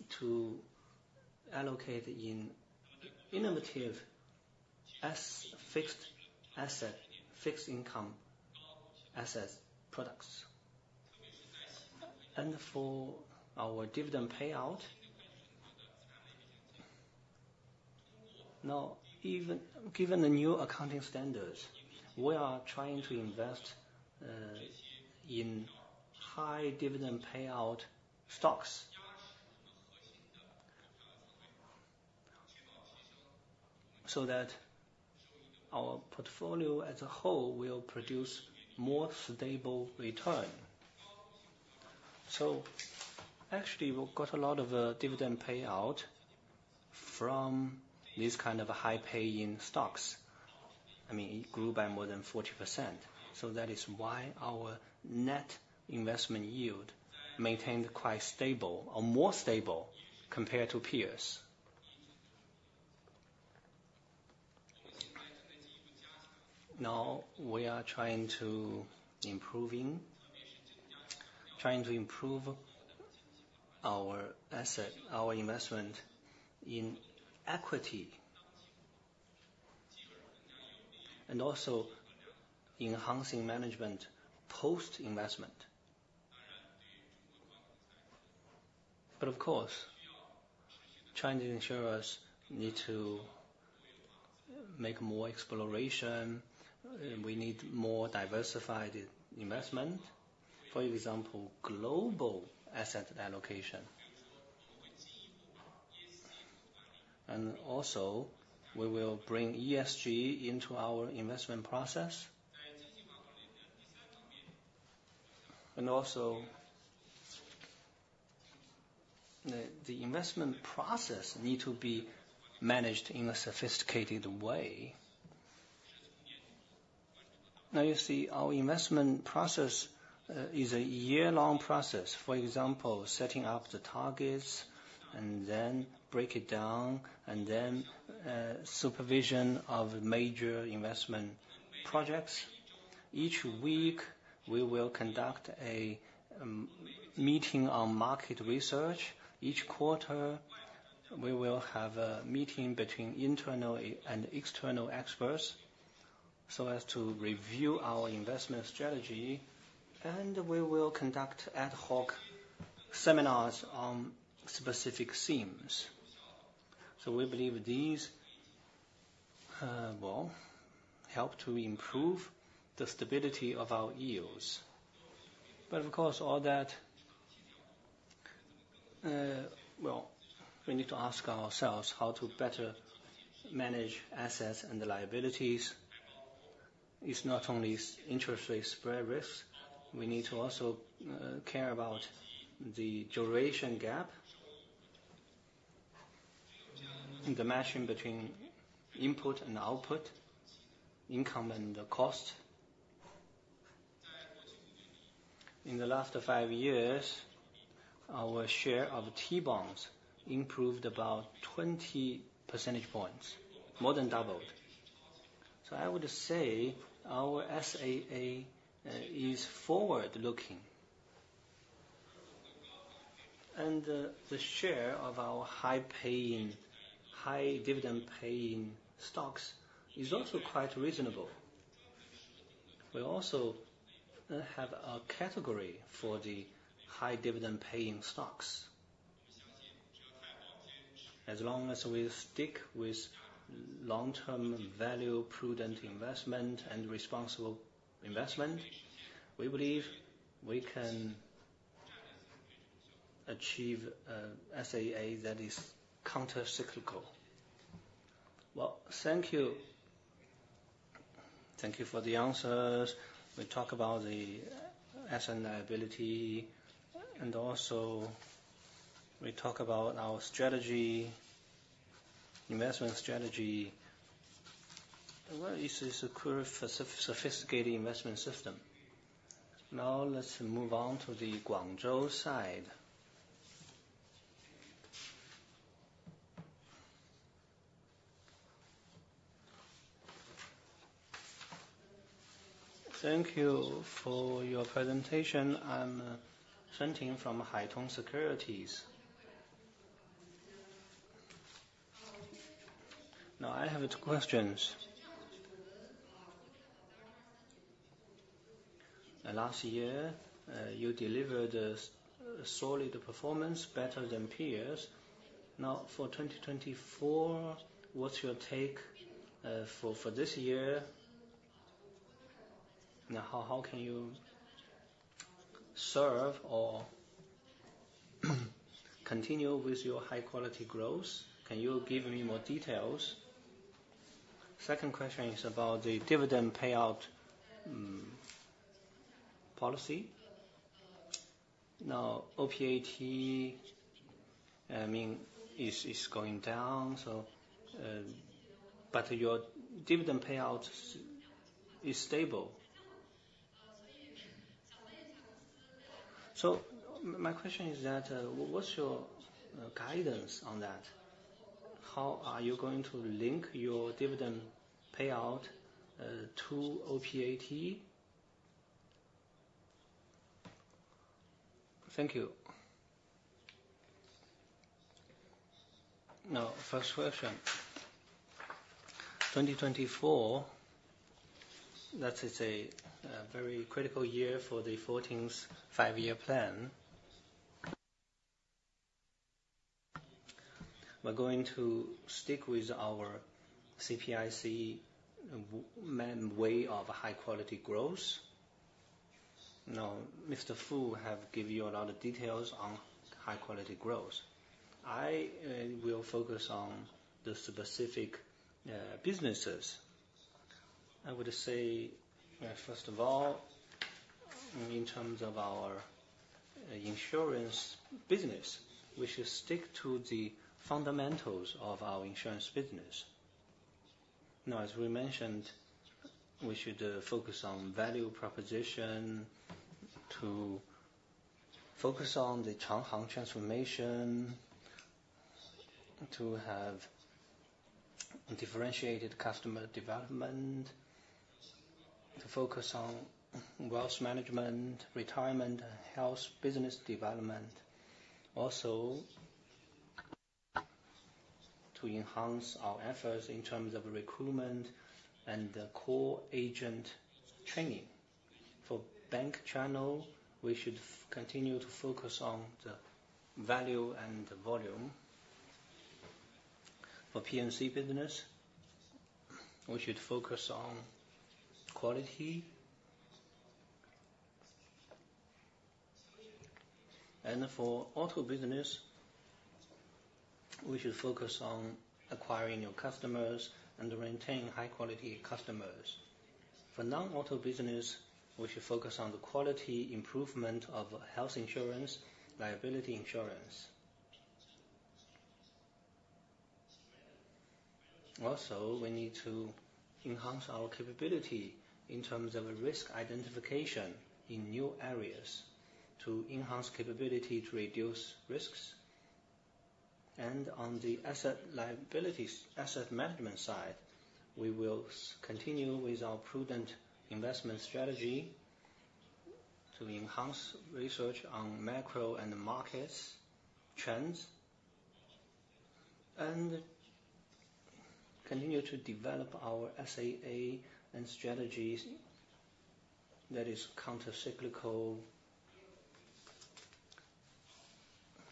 to allocate in innovative fixed income asset products. For our dividend payout, now, given the new accounting standards, we are trying to invest in high dividend payout stocks so that our portfolio as a whole will produce more stable return. Actually, we've got a lot of dividend payout from these kind of high-paying stocks. I mean, it grew by more than 40%. That is why our net investment yield maintained quite stable or more stable compared to peers. Now, we are trying to improve, trying to improve our investment in equity and also enhancing management post-investment. But of course, Chinese insurers need to make more exploration. We need more diversified investment, for example, global asset allocation. And also, we will bring ESG into our investment process. And also, the investment process needs to be managed in a sophisticated way. Now, you see, our investment process is a year-long process. For example, setting up the targets and then break it down and then supervision of major investment projects. Each week, we will conduct a meeting on market research. Each quarter, we will have a meeting between internal and external experts so as to review our investment strategy. And we will conduct ad hoc seminars on specific themes. So we believe these, well, help to improve the stability of our yields. But of course, all that, well, we need to ask ourselves how to better manage assets and the liabilities. It's not only interest rate spread risks. We need to also care about the duration gap, the matching between input and output, income and the cost. In the last 5 years, our share of T-bonds improved about 20 percentage points, more than doubled. So I would say our SAA is forward-looking. And the share of our high-paying, high-dividend-paying stocks is also quite reasonable. We also have a category for the high-dividend-paying stocks. As long as we stick with long-term value-prudent investment and responsible investment, we believe we can achieve an SAA that is countercyclical. Well, thank you. Thank you for the answers. We talked about the asset liability, and also we talked about our strategy, investment strategy. It's a sophisticated investment system. Now, let's move on to the Guangzhou side. Thank you for your presentation. I'm Sun Ting from Haitong Securities. Now, I have two questions. Last year, you delivered solid performance, better than peers. Now, for 2024, what's your take for this year? Now, how can you serve or continue with your high-quality growth? Can you give me more details? Second question is about the dividend payout policy. Now, OPAT, I mean, is going down, so. But your dividend payout is stable. So my question is that what's your guidance on that? How are you going to link your dividend payout to OPAT? Thank you. Now, first question. 2024, that is a very critical year for the 14th Five-Year Plan. We're going to stick with our CPIC way of high-quality growth. Now, Mr. Fu has given you a lot of details on high-quality growth. I will focus on the specific businesses. I would say, first of all, in terms of our insurance business, we should stick to the fundamentals of our insurance business. Now, as we mentioned, we should focus on value proposition, to focus on the Changhang Transformation, to have differentiated customer development, to focus on wealth management, retirement, and health business development. Also, to enhance our efforts in terms of recruitment and the core agent training. For bank channel, we should continue to focus on the value and the volume. For P&C business, we should focus on quality. And for auto business, we should focus on acquiring new customers and retaining high-quality customers. For non-auto business, we should focus on the quality improvement of health insurance, liability insurance. Also, we need to enhance our capability in terms of risk identification in new areas to enhance capability to reduce risks. On the asset liabilities, asset management side, we will continue with our prudent investment strategy to enhance research on macro and markets trends and continue to develop our SAA and strategies that is countercyclical.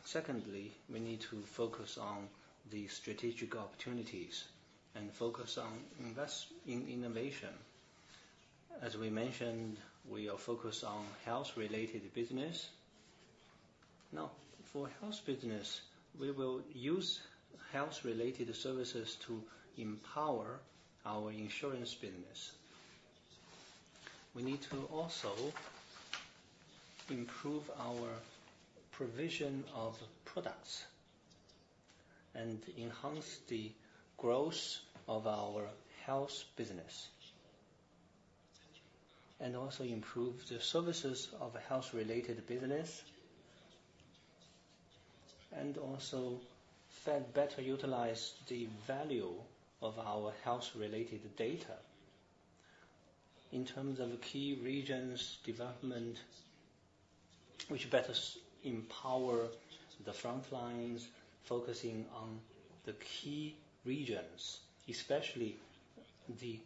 Secondly, we need to focus on the strategic opportunities and focus on innovation. As we mentioned, we are focused on health-related business. Now, for health business, we will use health-related services to empower our insurance business. We need to also improve our provision of products and enhance the growth of our health business and also improve the services of health-related business and also better utilize the value of our health-related data in terms of key regions development, which better empower the frontlines, focusing on the key regions, especially the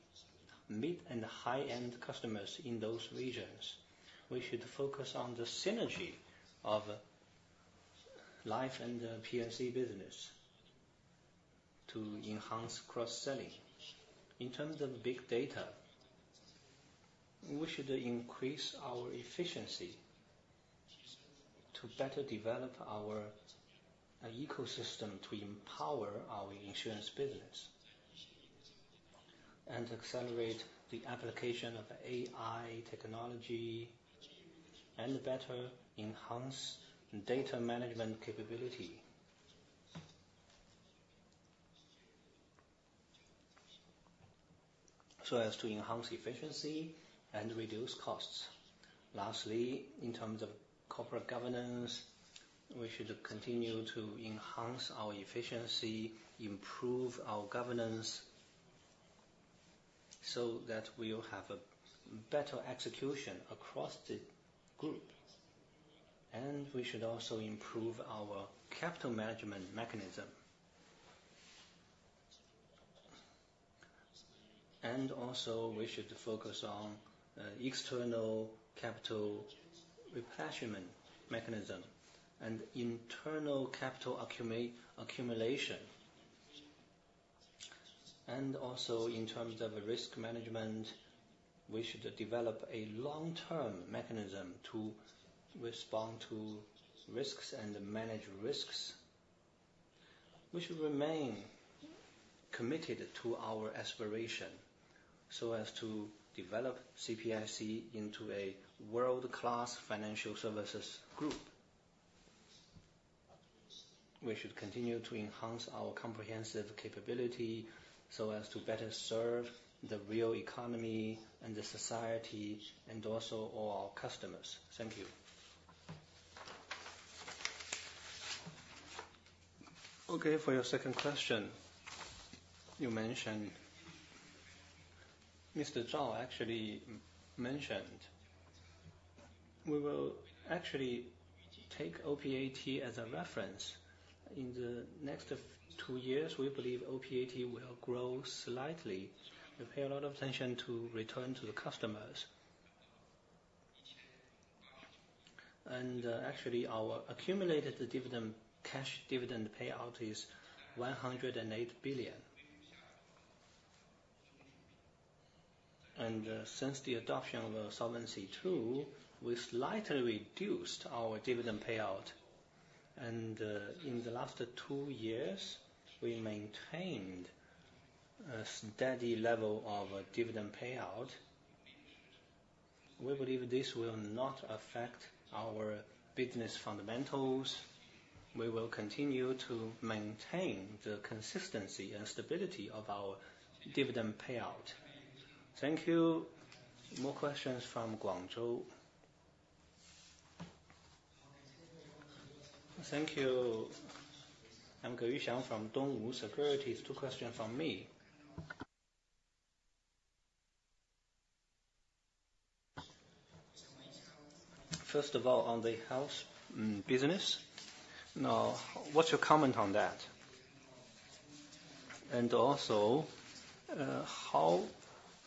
mid and high-end customers in those regions. We should focus on the synergy of life and the P&C business to enhance cross-selling. In terms of big data, we should increase our efficiency to better develop our ecosystem to empower our insurance business and accelerate the application of AI technology and better enhance data management capability so as to enhance efficiency and reduce costs. Lastly, in terms of corporate governance, we should continue to enhance our efficiency, improve our governance so that we will have a better execution across the group. We should also improve our capital management mechanism. We should also focus on external capital replacement mechanism and internal capital accumulation. In terms of risk management, we should develop a long-term mechanism to respond to risks and manage risks. We should remain committed to our aspiration so as to develop CPIC into a world-class financial services group. We should continue to enhance our comprehensive capability so as to better serve the real economy and the society and also all our customers. Thank you. Okay, for your second question, you mentioned Mr. Zhao actually mentioned we will actually take OPAT as a reference. In the next two years, we believe OPAT will grow slightly. We pay a lot of attention to return to the customers. And actually, our accumulated cash dividend payout is 108 billion. And since the adoption of Solvency II, we slightly reduced our dividend payout. And in the last two years, we maintained a steady level of dividend payout. We believe this will not affect our business fundamentals. We will continue to maintain the consistency and stability of our dividend payout. Thank you. More questions from Guangzhou. Thank you. I'm Ge Yuxiang from Dongwu Securities. Two questions from me. First of all, on the health business. Now, what's your comment on that? And also, how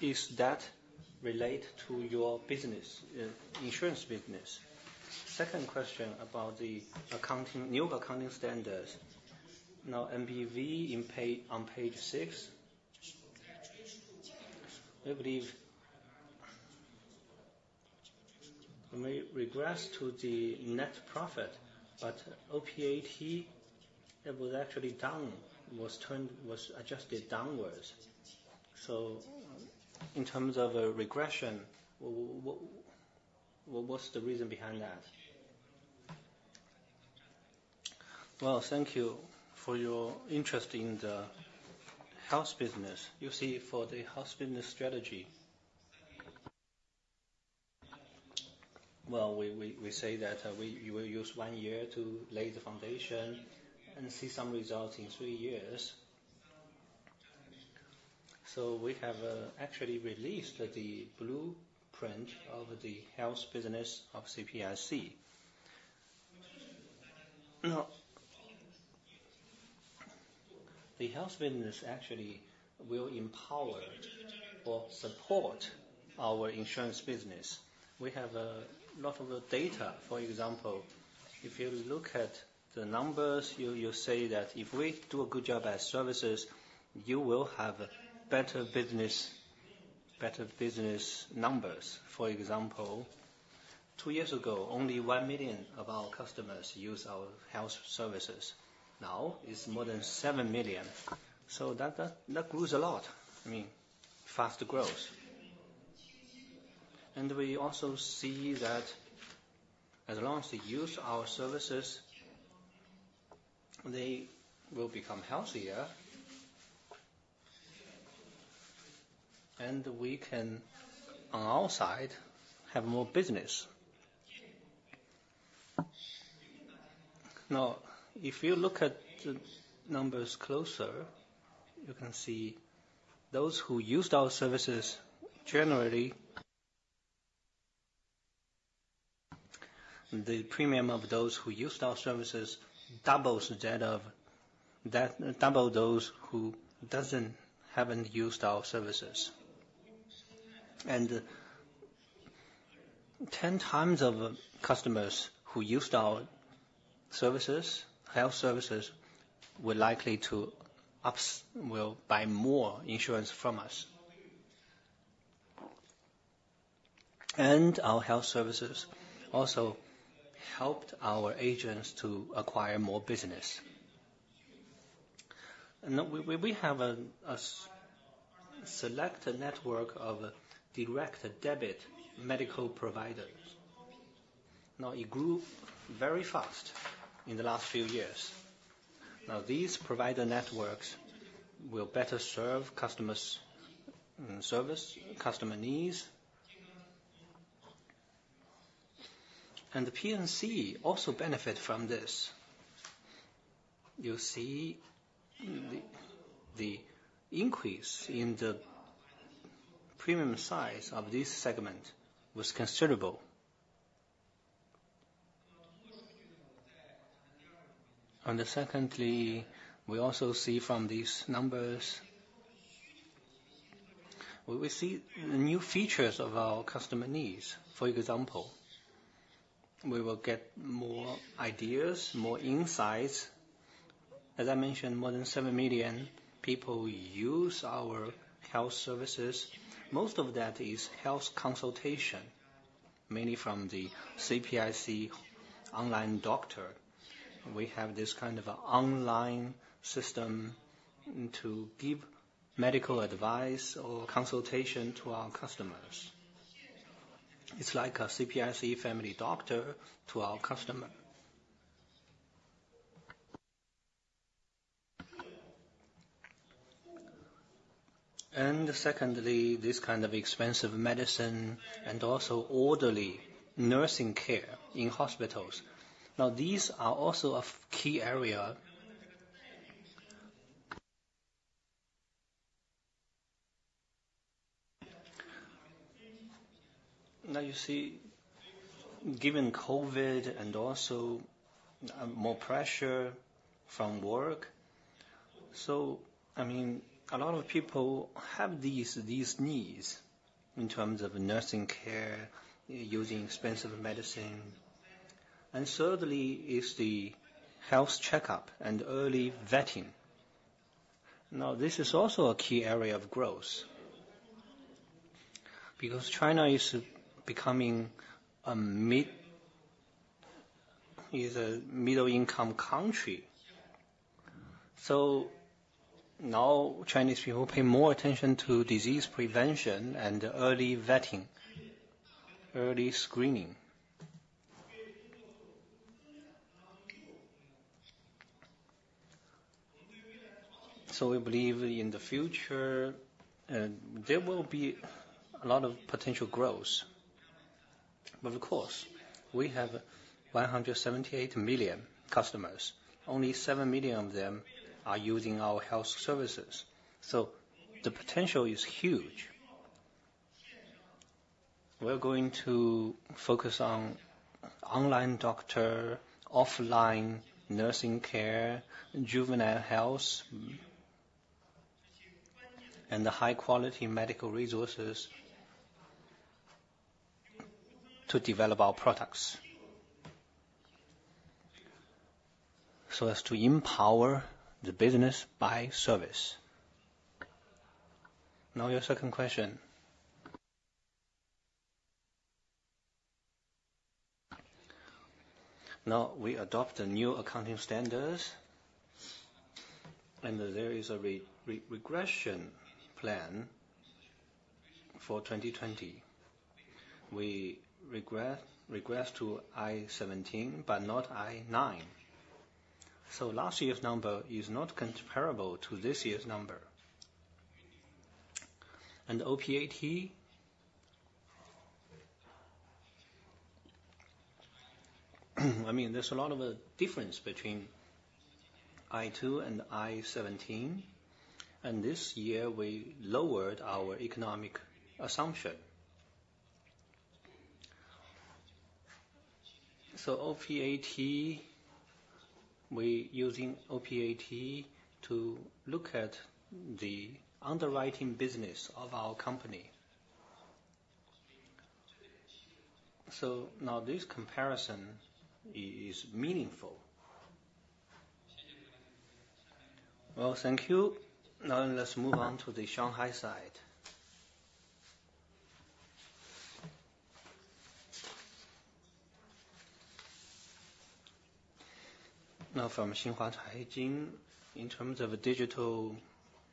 is that related to your insurance business? Second question about the new accounting standards. Now, NBV on page 6, I believe. We may regress to the net profit, but OPAT, it was actually down, was adjusted downwards. So in terms of a regression, what's the reason behind that? Well, thank you for your interest in the health business. You see, for the health business strategy, well, we say that we will use one year to lay the foundation and see some results in three years. So we have actually released the blueprint of the health business of CPIC. Now, the health business actually will empower or support our insurance business. We have a lot of data. For example, if you look at the numbers, you'll see that if we do a good job as services, you will have better business numbers. For example, two years ago, only 1 million of our customers used our health services. Now, it's more than 7 million. So that grows a lot. I mean, fast growth. And we also see that as long as they use our services, they will become healthier. And we can, on our side, have more business. Now, if you look at the numbers closer, you can see those who used our services; generally, the premium of those who used our services doubles that of double those who haven't used our services. And 10 times of customers who used our health services were likely to buy more insurance from us. And our health services also helped our agents to acquire more business. We have a select network of direct debit medical providers. Now, it grew very fast in the last few years. Now, these provider networks will better serve customers' service, customer needs. And the P&C also benefit from this. You'll see the increase in the premium size of this segment was considerable. And secondly, we also see from these numbers, we see new features of our customer needs. For example, we will get more ideas, more insights. As I mentioned, more than 7 million people use our health services. Most of that is health consultation, mainly from the CPIC Online Doctor. We have this kind of an online system to give medical advice or consultation to our customers. It's like a CPIC Family Doctor to our customer. And secondly, this kind of expensive medicine and also orderly nursing care in hospitals. Now, these are also a key area. Now, you see, given COVID and also more pressure from work, so I mean, a lot of people have these needs in terms of nursing care, using expensive medicine. And thirdly, it's the health checkup and early vetting. Now, this is also a key area of growth because China is becoming a middle-income country. So now, Chinese people pay more attention to disease prevention and early vetting, early screening. So we believe in the future, there will be a lot of potential growth. But of course, we have 178 million customers. Only 7 million of them are using our health services. So the potential is huge. We're going to focus on online doctor, offline nursing care, juvenile health, and the high-quality medical resources to develop our products so as to empower the business by service. Now, your second question. Now, we adopt the new accounting standards, and there is a retrospective plan for 2020. We regress to IFRS 17 but not IFRS 9. So last year's number is not comparable to this year's number. And OPAT, I mean, there's a lot of a difference between IFRS 4 and IFRS 17. And this year, we lowered our economic assumption. So we're using OPAT to look at the underwriting business of our company. So now, this comparison is meaningful. Well, thank you. Now, let's move on to the Shanghai side. Now, from Xinhua Finance, in terms of digital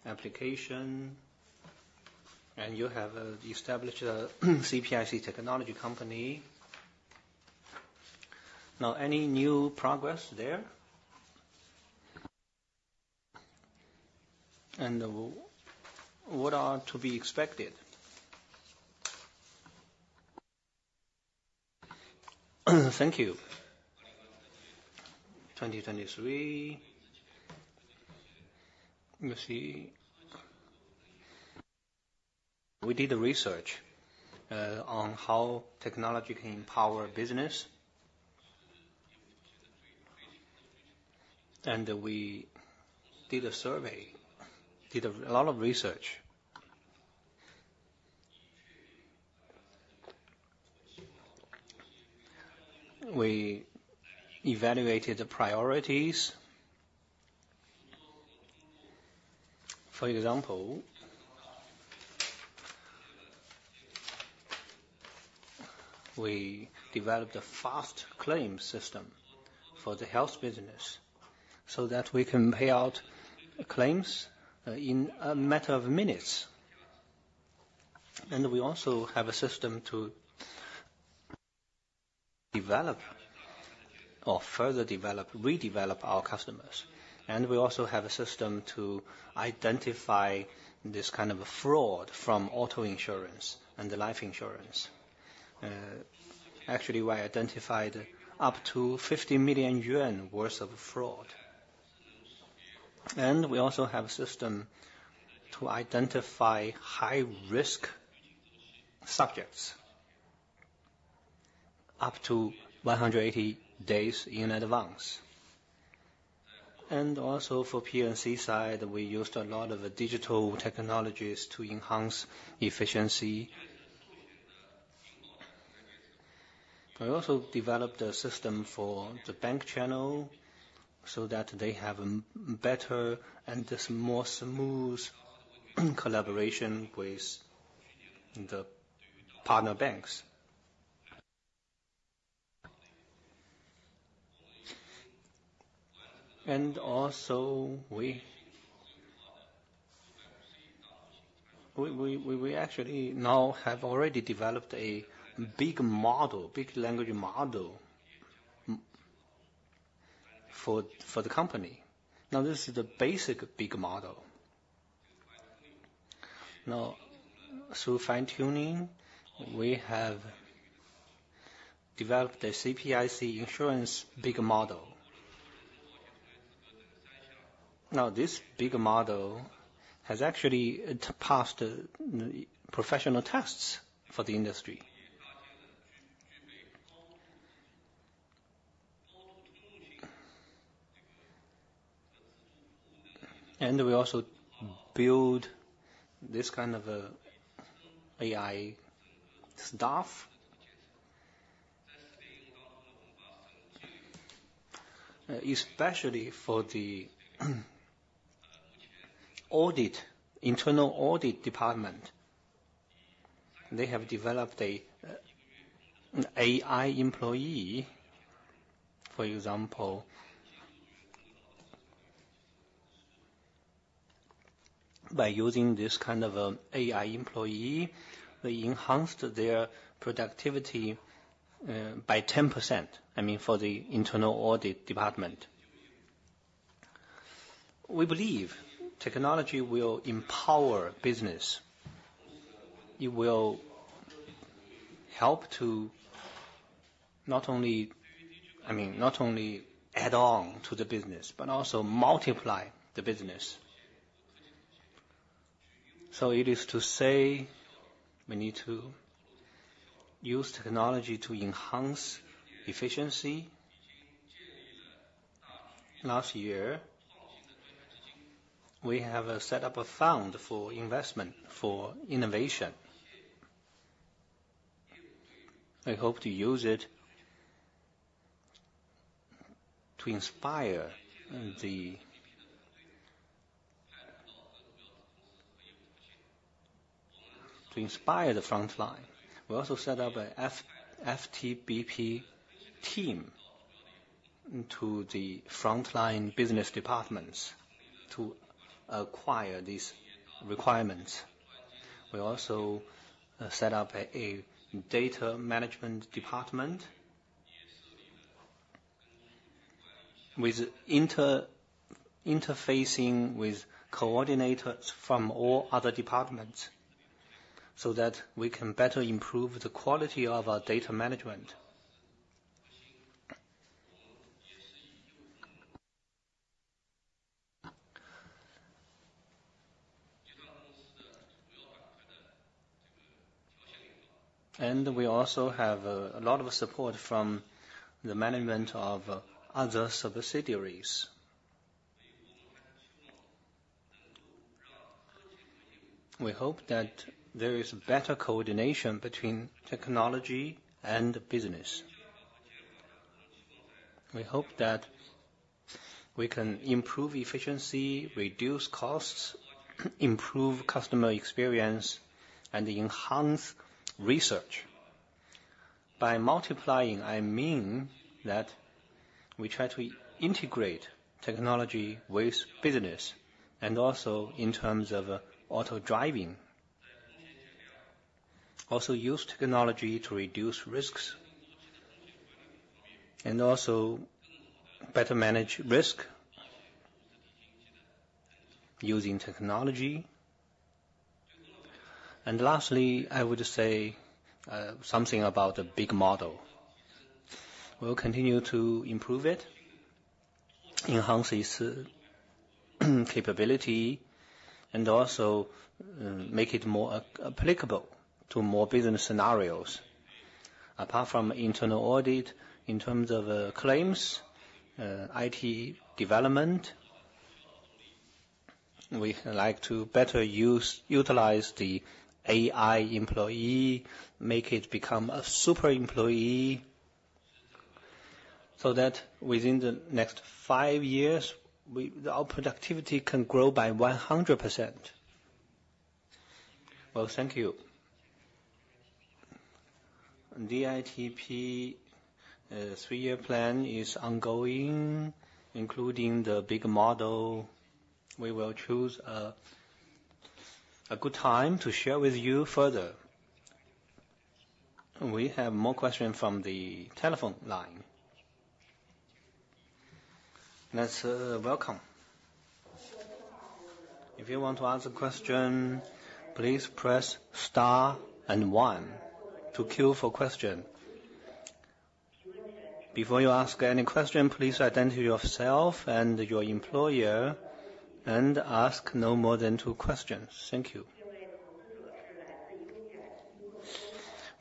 application, and you have established a CPIC technology company. Now, any new progress there? And what are to be expected? Thank you. 2023. You see, we did research on how technology can empower business. And we did a survey, did a lot of research. We evaluated the priorities. For example, we developed a fast claim system for the health business so that we can pay out claims in a matter of minutes. We also have a system to develop or further redevelop our customers. We also have a system to identify this kind of fraud from auto insurance and life insurance. Actually, we identified up to 50 million yuan worth of fraud. We also have a system to identify high-risk subjects up to 180 days in advance. For P&C side, we used a lot of digital technologies to enhance efficiency. We also developed a system for the bank channel so that they have a better and more smooth collaboration with the partner banks. We actually now have already developed a big language model for the company. Now, this is the basic big model. Now, through fine-tuning, we have developed the CPIC Insurance Big Model. Now, this big model has actually passed professional tests for the industry. We also build this kind of AI staff, especially for the internal audit department. They have developed an AI employee, for example. By using this kind of an AI employee, they enhanced their productivity by 10%, I mean, for the internal audit department. We believe technology will empower business. It will help to not only, I mean, not only add on to the business but also multiply the business. It is to say we need to use technology to enhance efficiency. Last year, we have set up a fund for innovation. We hope to use it to inspire the frontline. We also set up an FTBP team to the frontline business departments to acquire these requirements. We also set up a data management department interfacing with coordinators from all other departments so that we can better improve the quality of our data management. We also have a lot of support from the management of other subsidiaries. We hope that there is better coordination between technology and business. We hope that we can improve efficiency, reduce costs, improve customer experience, and enhance research. By multiplying, I mean that we try to integrate technology with business and also in terms of auto driving. Also use technology to reduce risks and also better manage risk using technology. And lastly, I would say something about the big model. We'll continue to improve it, enhance its capability, and also make it more applicable to more business scenarios. Apart from internal audit, in terms of claims, IT development, we like to better utilize the AI employee, make it become a super employee so that within the next 5 years, our productivity can grow by 100%. Well, thank you. DITP 3-year plan is ongoing, including the big model. We will choose a good time to share with you further. We have more questions from the telephone line. Let's welcome. If you want to ask a question, please press star and one to queue for question. Before you ask any question, please identify yourself and your employer and ask no more than two questions. Thank you.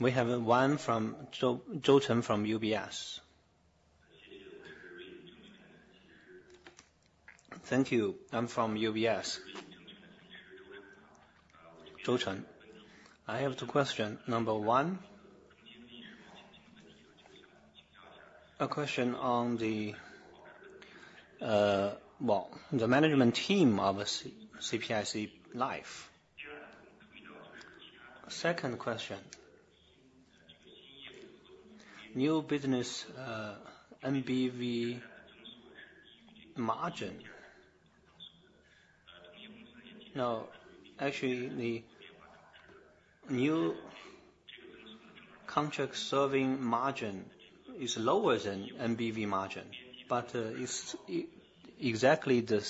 We have one from Zhou Chen from UBS. Thank you. I'm from UBS. Zhou Chen, I have two questions. Number one, a question on the management team of CPIC Life. Second question, new business NBV margin. Now, actually, the new contractual service margin is lower than NBV margin, but it's exactly the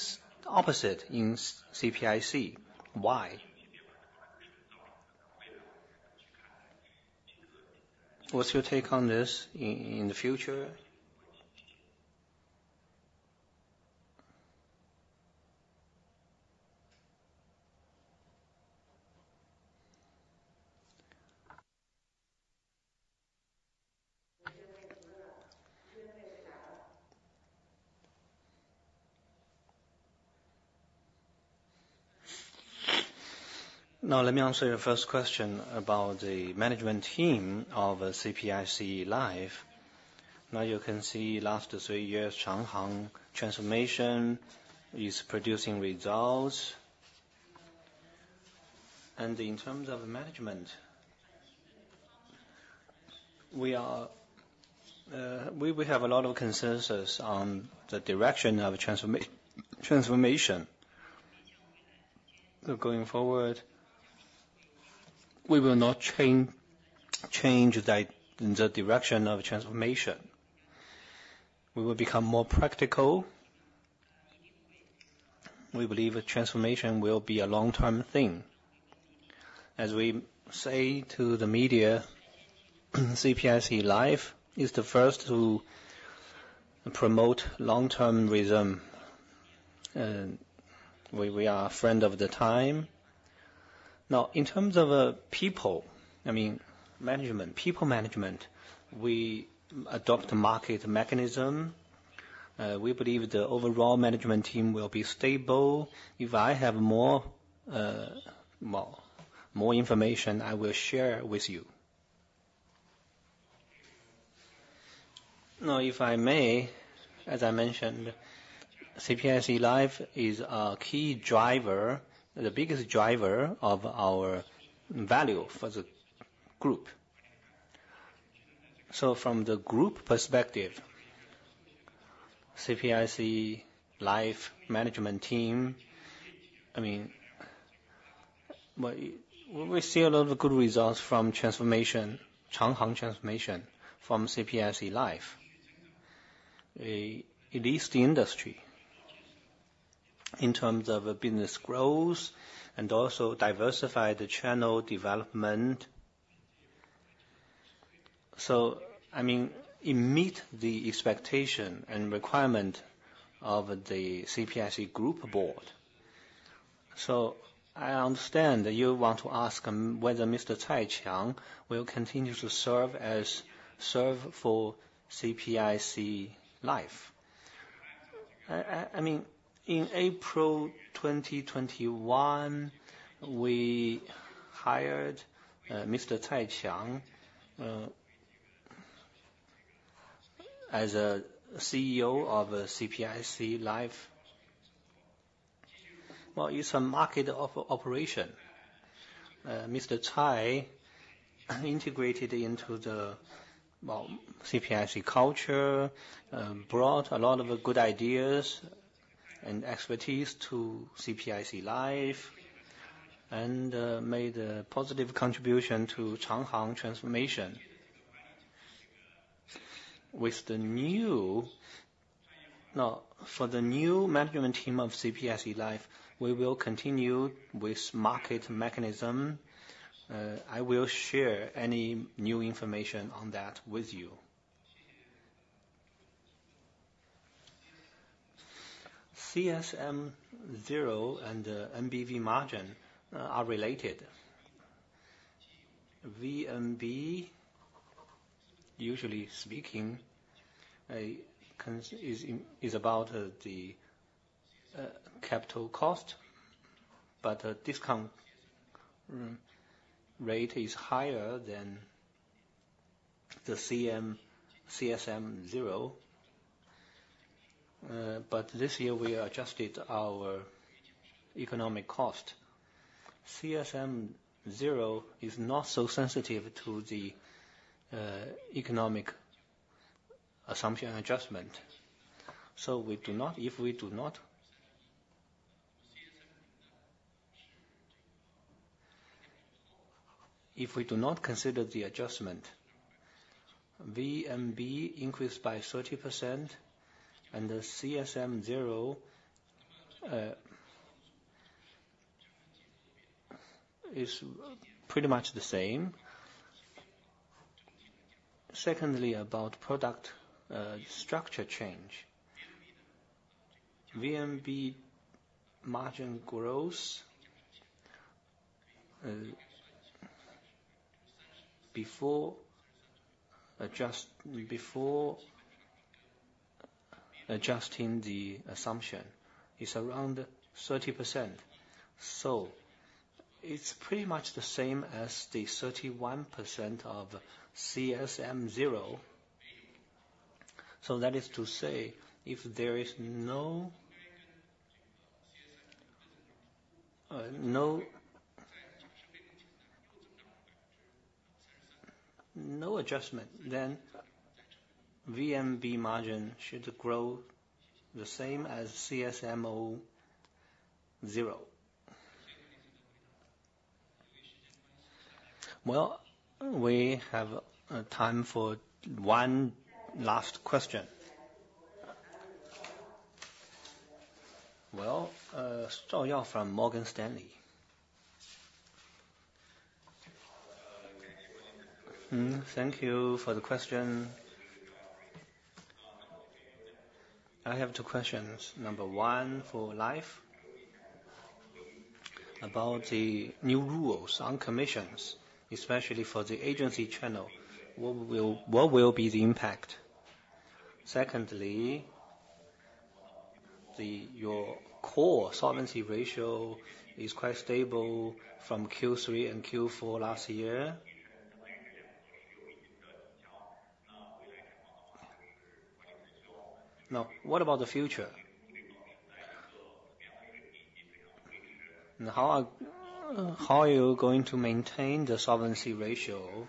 opposite in CPIC. Why? What's your take on this in the future? Now, let me answer your first question about the management team of CPIC Life. Now, you can see last three Changhang Transformation is producing results. In terms of management, we have a lot of consensus on the direction of transformation. Going forward, we will not change the direction of transformation. We will become more practical. We believe transformation will be a long-term thing. As we say to the media, CPIC Life is the first to promote long-term rhythm. We are a friend of the time. Now, in terms of people, I mean, people management, we adopt a market mechanism. We believe the overall management team will be stable. If I have more information, I will share with you. Now, if I may, as I mentioned, CPIC Life is a key driver, the biggest driver of our value for the group. So from the group perspective, CPIC Life management team, I mean, we see a lot of good results Changhang Transformation from CPIC Life, at least the industry, in terms of business growth and also diversify the channel development. So, I mean, it meets the expectation and requirement of the CPIC Group board. So I understand that you want to ask whether Mr. Cai Qiang will continue to serve for CPIC Life. I mean, in April 2021, we hired Mr. Cai Qiang as a CEO of CPIC Life. Well, it's a market operation. Mr. Cai integrated into the CPIC culture, brought a lot of good ideas and expertise to CPIC Life, and made a positive contribution Changhang Transformation. Now, for the new management team of CPIC Life, we will continue with market mechanism. I will share any new information on that with you. CSM0 and NBV margin are related. VNB, usually speaking, is about the capital cost, but the discount rate is higher than the CSM0. But this year, we adjusted our economic cost. CSM0 is not so sensitive to the economic assumption adjustment. So if we do not consider the adjustment, VNB increased by 30%, and the CSM0 is pretty much the same. Secondly, about product structure change, VNB margin growth before adjusting the assumption is around 30%. So it's pretty much the same as the 31% of CSM0. So that is to say if there is no adjustment, then VNB margin should grow the same as CSM0. Well, we have time for one last question. Well, Yao Zhao from Morgan Stanley. Thank you for the question. I have two questions. One, for life, about the new rules on commissions, especially for the agency channel, what will be the impact? Secondly, your core solvency ratio is quite stable from Q3 and Q4 last year. Now, what about the future? Now, how are you going to maintain the solvency ratio?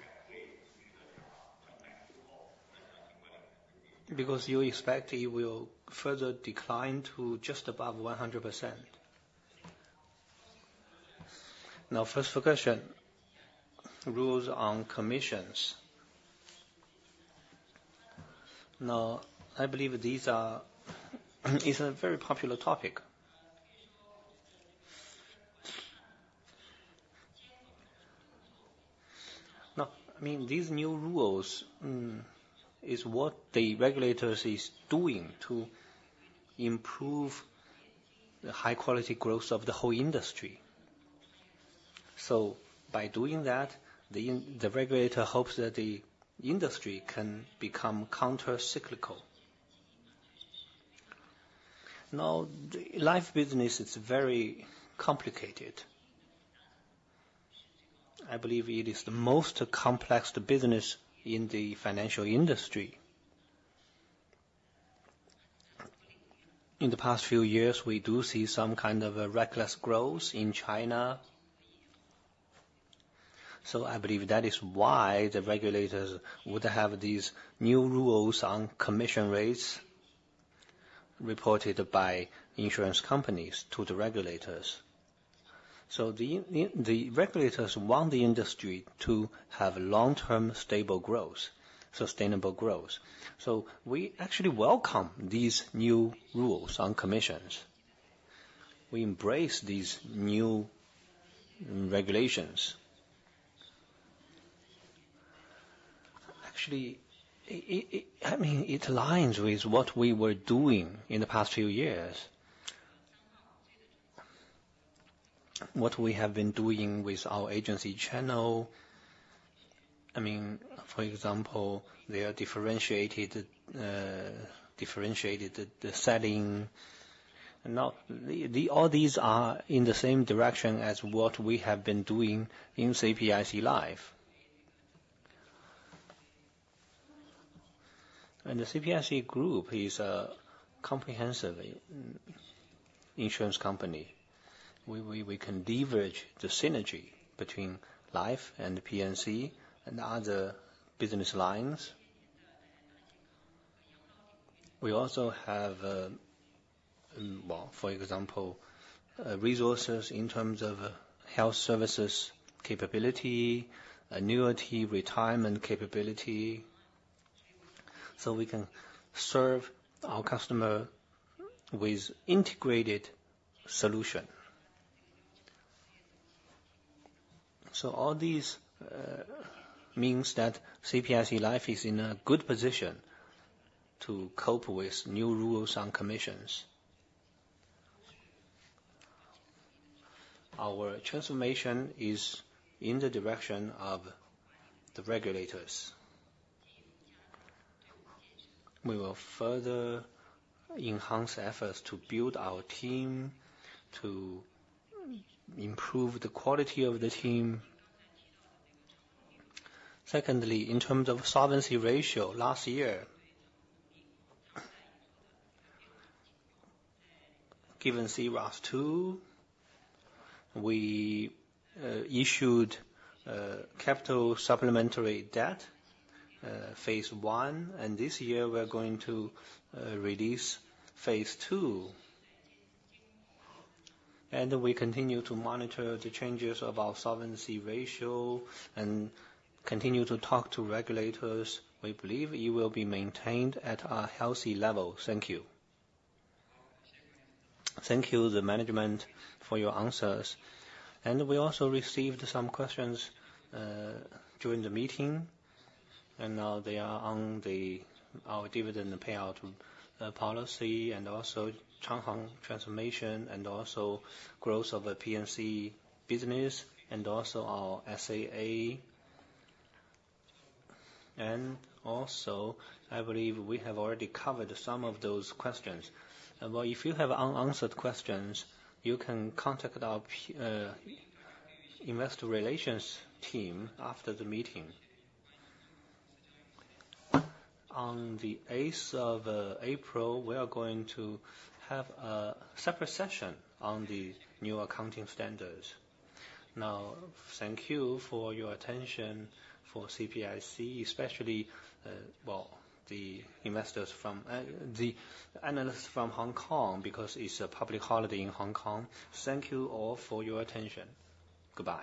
Because you expect it will further decline to just above 100%. Now, first question, rules on commissions. Now, I believe it's a very popular topic. Now, I mean, these new rules is what the regulators are doing to improve the high-quality growth of the whole industry. So by doing that, the regulator hopes that the industry can become countercyclical. Now, life business is very complicated. I believe it is the most complex business in the financial industry. In the past few years, we do see some kind of reckless growth in China. So I believe that is why the regulators would have these new rules on commission rates reported by insurance companies to the regulators. So the regulators want the industry to have long-term stable growth, sustainable growth. So we actually welcome these new rules on commissions. We embrace these new regulations. Actually, I mean, it aligns with what we were doing in the past few years, what we have been doing with our agency channel. I mean, for example, they are differentiated selling. Now, all these are in the same direction as what we have been doing in CPIC Life. And the CPIC Group is a comprehensive insurance company. We can leverage the synergy between life and P&C and other business lines. We also have, for example, resources in terms of health services capability, annuity, retirement capability. So we can serve our customer with integrated solution. So all these means that CPIC Life is in a good position to cope with new rules on commissions. Our transformation is in the direction of the regulators. We will further enhance efforts to build our team, to improve the quality of the team. Secondly, in terms of solvency ratio, last year, given C-ROSS II, we issued capital supplementary debt, phase I. And this year, we're going to release phase I. And we continue to monitor the changes of our solvency ratio and continue to talk to regulators. We believe it will be maintained at a healthy level. Thank you. Thank you, the management, for your answers. And we also received some questions during the meeting. And now they are on our dividend payout policy and Changhang Transformation and also growth of a P&C business and also our SAA. Also, I believe we have already covered some of those questions. Well, if you have unanswered questions, you can contact our investor relations team. After the meeting. On the 8th of April, we are going to have a separate session on the new accounting standards. Now, thank you for your attention for CPIC, especially, well, the analysts from Hong Kong because it's a public holiday in Hong Kong. Thank you all for your attention. Goodbye.